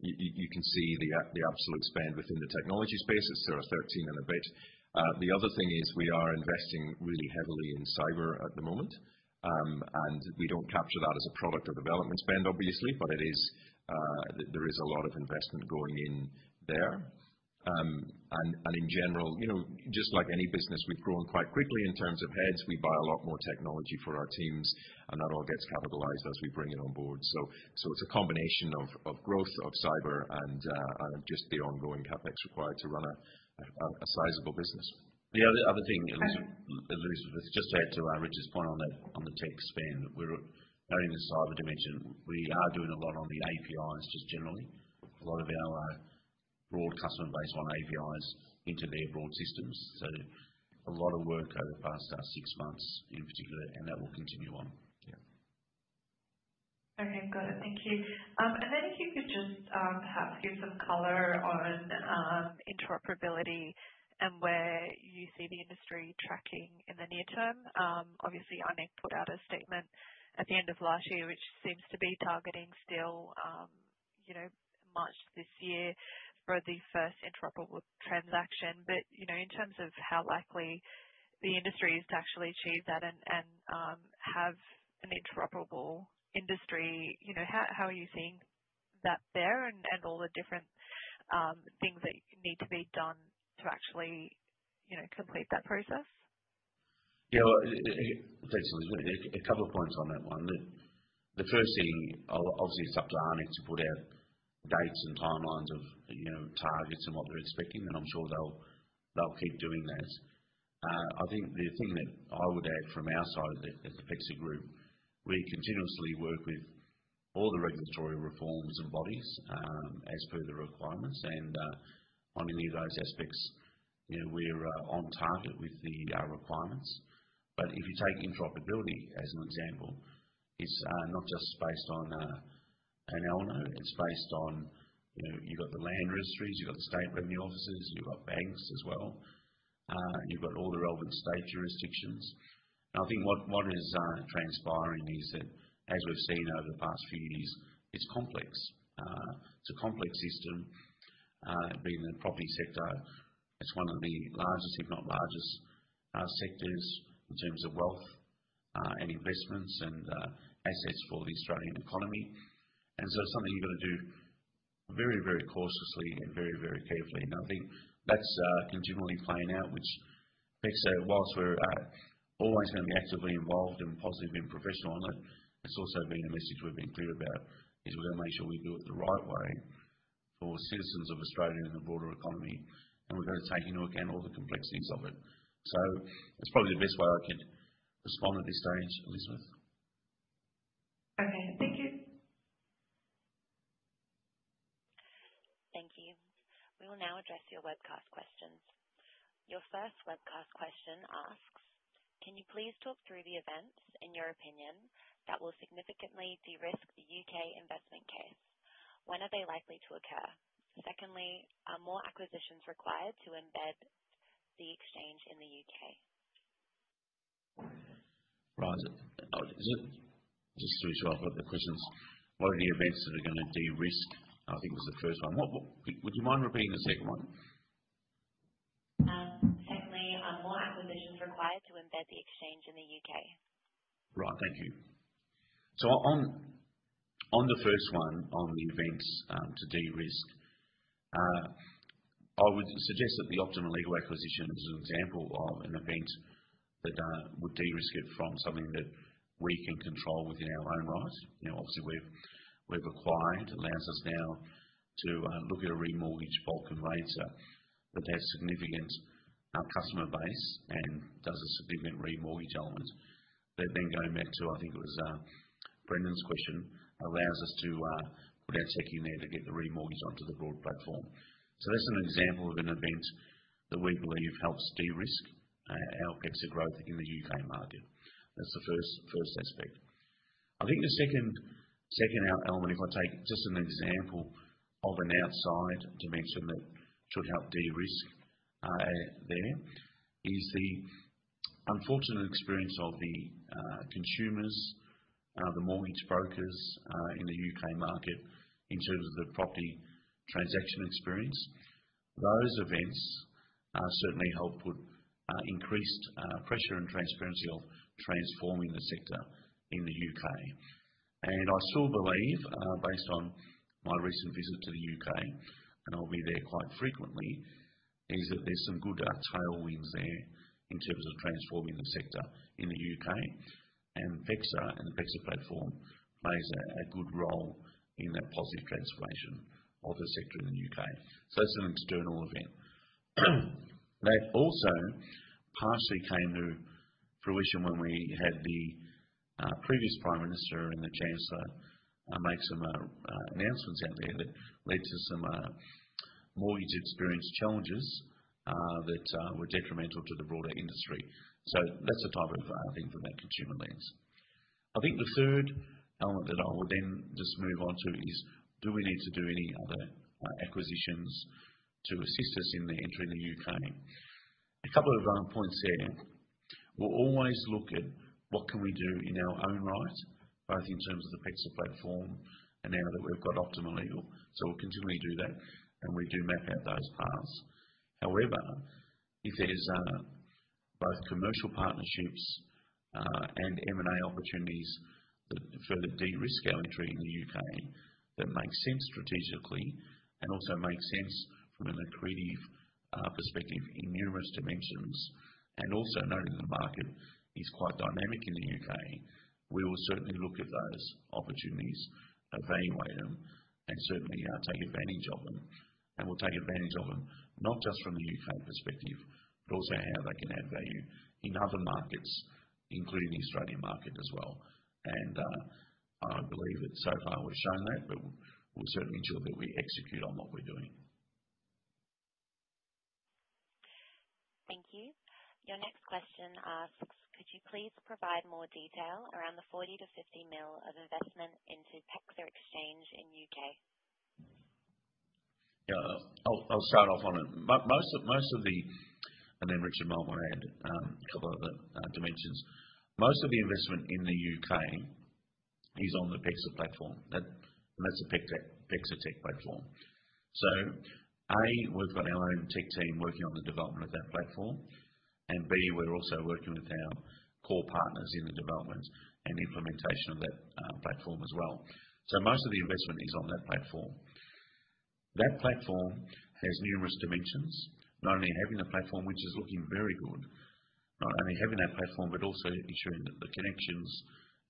you can see the absolute spend within the technology space, it's sort of 13 and a bit. The other thing is we are investing really heavily in cyber at the moment, and we don't capture that as a product or development spend, obviously, but it is, there is a lot of investment going in there. In general, you know, just like any business, we've grown quite quickly in terms of heads. We buy a lot more technology for our teams, and that all gets capitalized as we bring it on board. It's a combination of growth, of cyber and just the ongoing CapEx required to run a sizable business. The other thing, Elizabeth, just to add to Richard's point on the tech spend. We're noting the cyber dimension. We are doing a lot on the APIs just generally. A lot of our broad customer base on APIs into their broad systems. A lot of work over the past six months in particular, and that will continue on. Yeah. Okay, got it. Thank you. If you could just perhaps give some color on interoperability and where you see the industry tracking in the near term. Obviously, ARNECC put out a statement at the end of last year, which seems to be targeting still, you know, March this year for the first interoperable transaction. You know, in terms of how likely the industry is to actually achieve that and have an interoperable industry, you know, how are you seeing that fair and all the different things that need to be done to actually, you know, complete that process? Well, thanks, Elizabeth. A couple of points on that one. The first thing, obviously it's up to ARNECC to put out dates and timelines of, you know, targets and what they're expecting, and I'm sure they'll keep doing that. I think the thing that I would add from our side at the PEXA Group, we continuously work with all the regulatory reforms and bodies as per the requirements. On any of those aspects, you know, we're on target with the requirements. If you take interoperability as an example, it's not just based on an owner, it's based on, you know, you've got the land registries, you've got the state revenue offices, and you've got banks as well. You've got all the relevant state jurisdictions. I think what is transpiring is that as we've seen over the past few years, it's complex. It's a complex system, being the property sector. It's one of the largest, if not largest, sectors in terms of wealth, and investments and assets for the Australian economy. It's something you've got to do very, very cautiously and very, very carefully. I think that's continually playing out, which PEXA, whilst we're always gonna be actively involved and positive and professional on it's also been a message we've been clear about, is we're gonna make sure we do it the right way for citizens of Australia and the broader economy, and we're gonna take into account all the complexities of it. That's probably the best way I can respond at this stage, Elizabeth. Okay. Thank you. Thank you. We will now address your webcast questions. Your first webcast question asks: Can you please talk through the events, in your opinion, that will significantly de-risk the U.K. investment case? When are they likely to occur? Secondly, are more acquisitions required to embed the exchange in the U.K.? Right. Oh, is it? Just to be sure I've got the questions. What are the events that are gonna de-risk, I think was the first one. What would you mind repeating the second one? Secondly, are more acquisitions required to embed the exchange in the UK? Right. Thank you. On, on the first one, on the events, to de-risk, I would suggest that the Optima Legal acquisition is an example of an event that would de-risk it from something that we can control within our own right. You know, obviously, we've acquired, allows us now to look at a remortgage bulk and rate, so with their significant customer base and does a significant remortgage element. Going back to, I think it was Brendan's question, allows us to put our tech in there to get the remortgage onto the broad platform. That's an example of an event that we believe helps de-risk our PEXA growth in the UK market. That's the first aspect. I think the second e-element, if I take just an example of an outside dimension that should help de-risk there, is the unfortunate experience of the consumers, the mortgage brokers, in the U.K. market in terms of the property transaction experience. Those events certainly help put increased pressure and transparency of transforming the sector in the U.K. I still believe, based on my recent visit to the U.K., and I'll be there quite frequently, is that there's some good tailwinds there in terms of transforming the sector in the U.K. and PEXA and the PEXA platform plays a good role in that positive transformation of the sector in the U.K. It's an external event. That also partially came to fruition when we had the previous prime minister and the chancellor make some announcements out there that led to some mortgage experience challenges that were detrimental to the broader industry. That's the type of thing from that consumer lens. I think the third element that I will then just move on to is do we need to do any other acquisitions to assist us in the entry in the U.K.? A couple of points there. We'll always look at what can we do in our own right, both in terms of the PEXA platform and now that we've got Optima Legal. We'll continually do that, and we do map out those paths. However, if there's both commercial partnerships and M&A opportunities that further de-risk our entry in the U.K., that make sense strategically and also make sense from an accretive perspective in numerous dimensions, and also knowing the market is quite dynamic in the U.K., we will certainly look at those opportunities, evaluate them, and certainly take advantage of them. We'll take advantage of them, not just from the U.K. Perspective, but also how they can add value in other markets, including the Australian market as well. I believe that so far we've shown that, but we'll certainly ensure that we execute on what we're doing. Thank you. Your next question asks, "Could you please provide more detail around the 40 million-50 million of investment into PEXA Exchange in UK? Yeah. I'll start off on it. Most of the. Richard might want to add a couple other dimensions. Most of the investment in the U.K. is on the PEXA platform. That, that's the PecTech, PEXA tech platform. A, we've got our own tech team working on the development of that platform. B, we're also working with our core partners in the development and implementation of that platform as well. Most of the investment is on that platform. That platform has numerous dimensions. Not only having the platform, which is looking very good. Not only having that platform, but also ensuring that the connections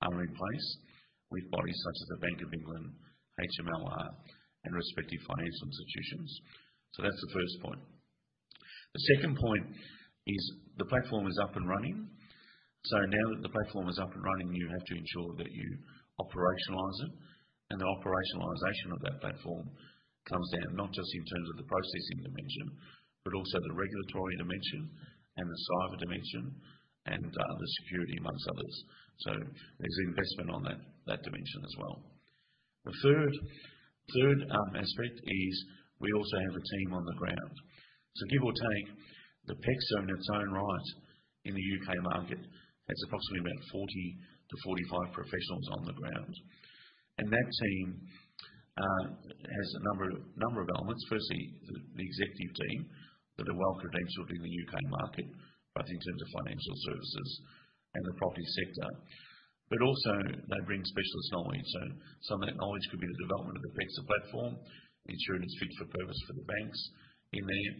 are in place with bodies such as the Bank of England, HMLR and respective financial institutions. That's the first point. The second point is the platform is up and running. Now that the platform is up and running, you have to ensure that you operationalize it. The operationalization of that platform comes down, not just in terms of the processing dimension, but also the regulatory dimension and the cyber dimension and the security, amongst others. There's investment on that dimension as well. The third aspect is we also have a team on the ground. Give or take, the PEXA, in its own right in the U.K. market, has approximately about 40 to 45 professionals on the ground. That team has a number of elements. Firstly, the executive team that are well-credentialed in the U.K. market, both in terms of financial services and the property sector. Also they bring specialist knowledge. Some of that knowledge could be the development of the PEXA platform, ensuring it's fit for purpose for the banks in there,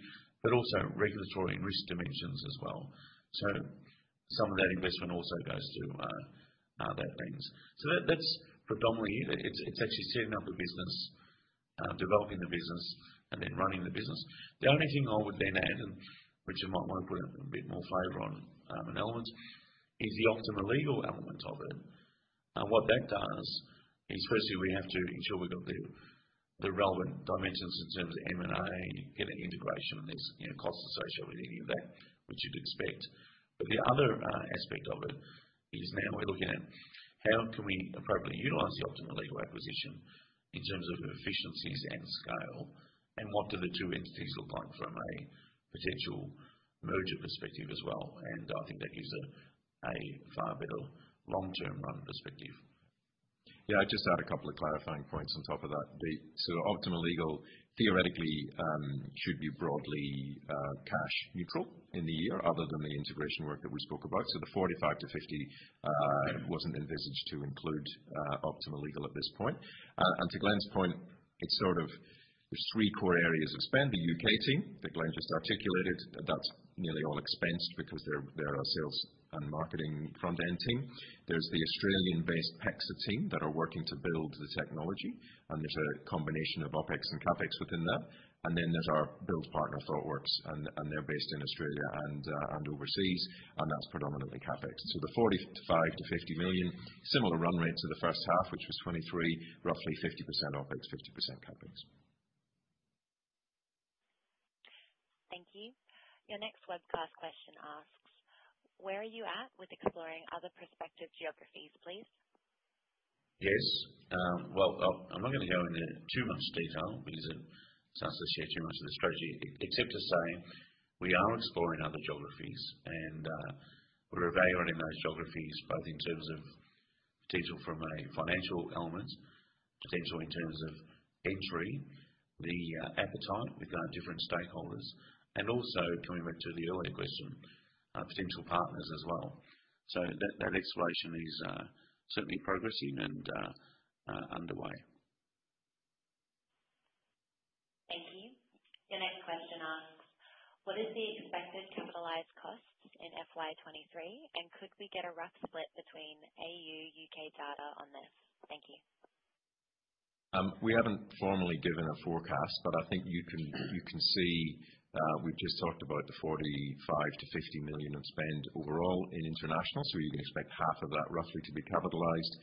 but also regulatory and risk dimensions as well. Some of that investment also goes to that lens. That's predominantly it. It's actually setting up a business, developing the business and then running the business. The only thing I would then add, and Richard might want to put a bit more flavor on an element, is the Optima Legal element of it. What that does is, firstly, we have to ensure we've got the relevant dimensions in terms of M&A, getting integration and there's, you know, costs associated with any of that, which you'd expect. The other aspect of it is now we're looking at how can we appropriately utilize the Optima Legal acquisition in terms of efficiencies and scale, and what do the two entities look like from a potential merger perspective as well. I think that gives a far better long-term run perspective. I'd just add a couple of clarifying points on top of that. The sort of Optima Legal theoretically should be broadly cash neutral in the year other than the integration work that we spoke about. The 45 million-50 million wasn't envisaged to include Optima Legal at this point. To Glenn's point, it's sort of there's three core areas of spend. The UK team that Glenn just articulated, that's nearly all expense because they're our sales and marketing front end team. There's the Australian-based PEXA team that are working to build the technology, and there's a combination of OpEx and CapEx within that. There's our build partner, Thoughtworks, and they're based in Australia and overseas, and that's predominantly CapEx. The 45 million-50 million, similar run rate to the first half, which was 23 million, roughly 50% OpEx, 50% CapEx. Thank you. Your next webcast question asks, "Where are you at with exploring other prospective geographies, please? Yes. I'm not gonna go into too much detail because it starts to share too much of the strategy, except to say we are exploring other geographies and we're evaluating those geographies both in terms of potential from a financial element, potential in terms of entry, the appetite with our different stakeholders, and also coming back to the earlier question, potential partners as well. That exploration is certainly progressing and underway. Thank you. Your next question asks, "What is the expected capitalized costs in FY 2023? And could we get a rough split between A.U., U.K. data on this? Thank you. We haven't formally given a forecast, but I think you can, you can see, we've just talked about the 45 million-50 million of spend overall in International. You can expect half of that roughly to be capitalized.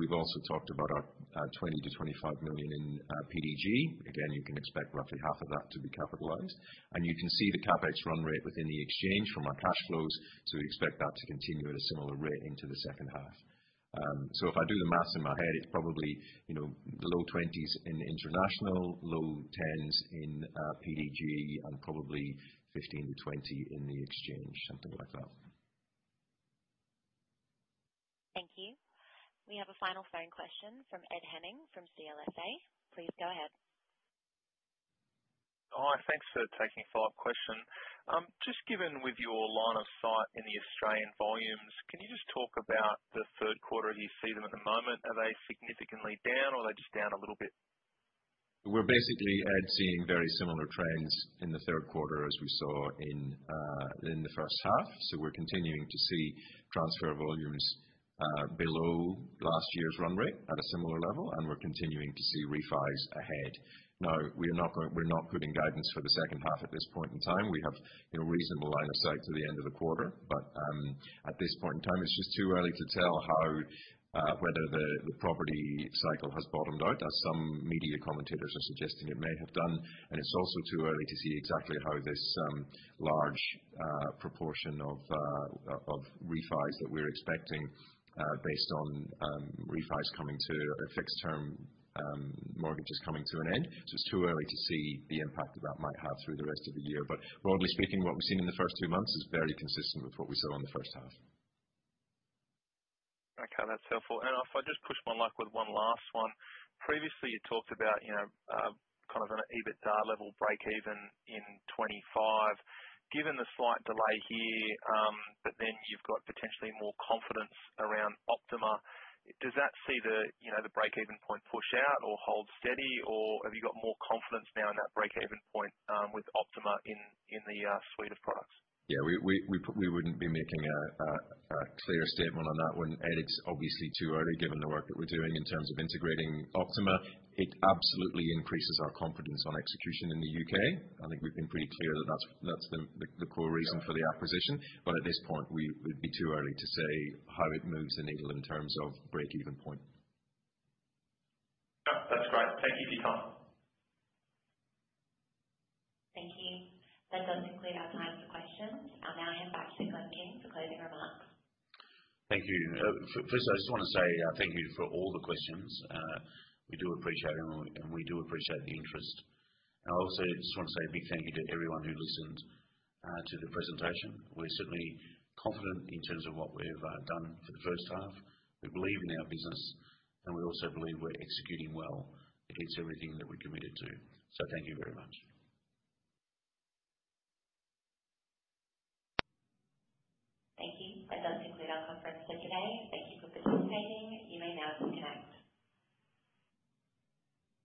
We've also talked about our 20 million-25 million in PDG. Again, you can expect roughly half of that to be capitalized. You can see the CapEx run rate within the Exchange from our cash flows. We expect that to continue at a similar rate into the second half. If I do the maths in my head, it's probably, you know, the low 20s in International, low 10s in PDG and probably 15 to 20 in the Exchange, something like that. Thank you. We have a final phone question from Ed Henning from CLSA. Please go ahead. Hi. Thanks for taking a follow-up question. Just given with your line of sight in the Australian volumes, can you just talk about the third quarter and you see them at the moment? Are they significantly down, or are they just down a little bit? We're basically, Ed, seeing very similar trends in the third quarter as we saw in the first half. We're continuing to see transfer volumes below last year's run rate at a similar level, and we're continuing to see refis ahead. We're not putting guidance for the second half at this point in time. We have, you know, reasonable line of sight to the end of the quarter. At this point in time, it's just too early to tell how whether the property cycle has bottomed out, as some media commentators are suggesting it may have done. It's also too early to see exactly how this large proportion of refis that we're expecting based on refis coming to a fixed term mortgages coming to an end. It's too early to see the impact that that might have through the rest of the year. Broadly speaking, what we've seen in the first two months is very consistent with what we saw in the first half. Okay, that's helpful. If I just push my luck with one last one. Previously, you talked about, you know, kind of an EBITDA level breakeven in 2025. Given the slight delay here, but then you've got potentially more confidence around Optima, does that see the, you know, the breakeven point push out or hold steady, or have you got more confidence now in that breakeven point with Optima in the suite of products? Yeah, we wouldn't be making a clear statement on that one. It's obviously too early, given the work that we're doing in terms of integrating Optima. It absolutely increases our confidence on execution in the U.K. I think we've been pretty clear that that's the core reason for the acquisition. At this point, it would be too early to say how it moves the needle in terms of breakeven point. Yeah, that's great. Thank you for your time. Thank you. That does conclude our time for questions. I'll now hand back to Glenn King for closing remarks. Thank you. First, I just wanna say, thank you for all the questions. We do appreciate them, we do appreciate the interest. I also just wanna say a big thank you to everyone who listened to the presentation. We're certainly confident in terms of what we've done for the first half. We believe in our business, we also believe we're executing well against everything that we're committed to. Thank you very much. Thank you. That does conclude our conference call today. Thank you for participating. You may now disconnect.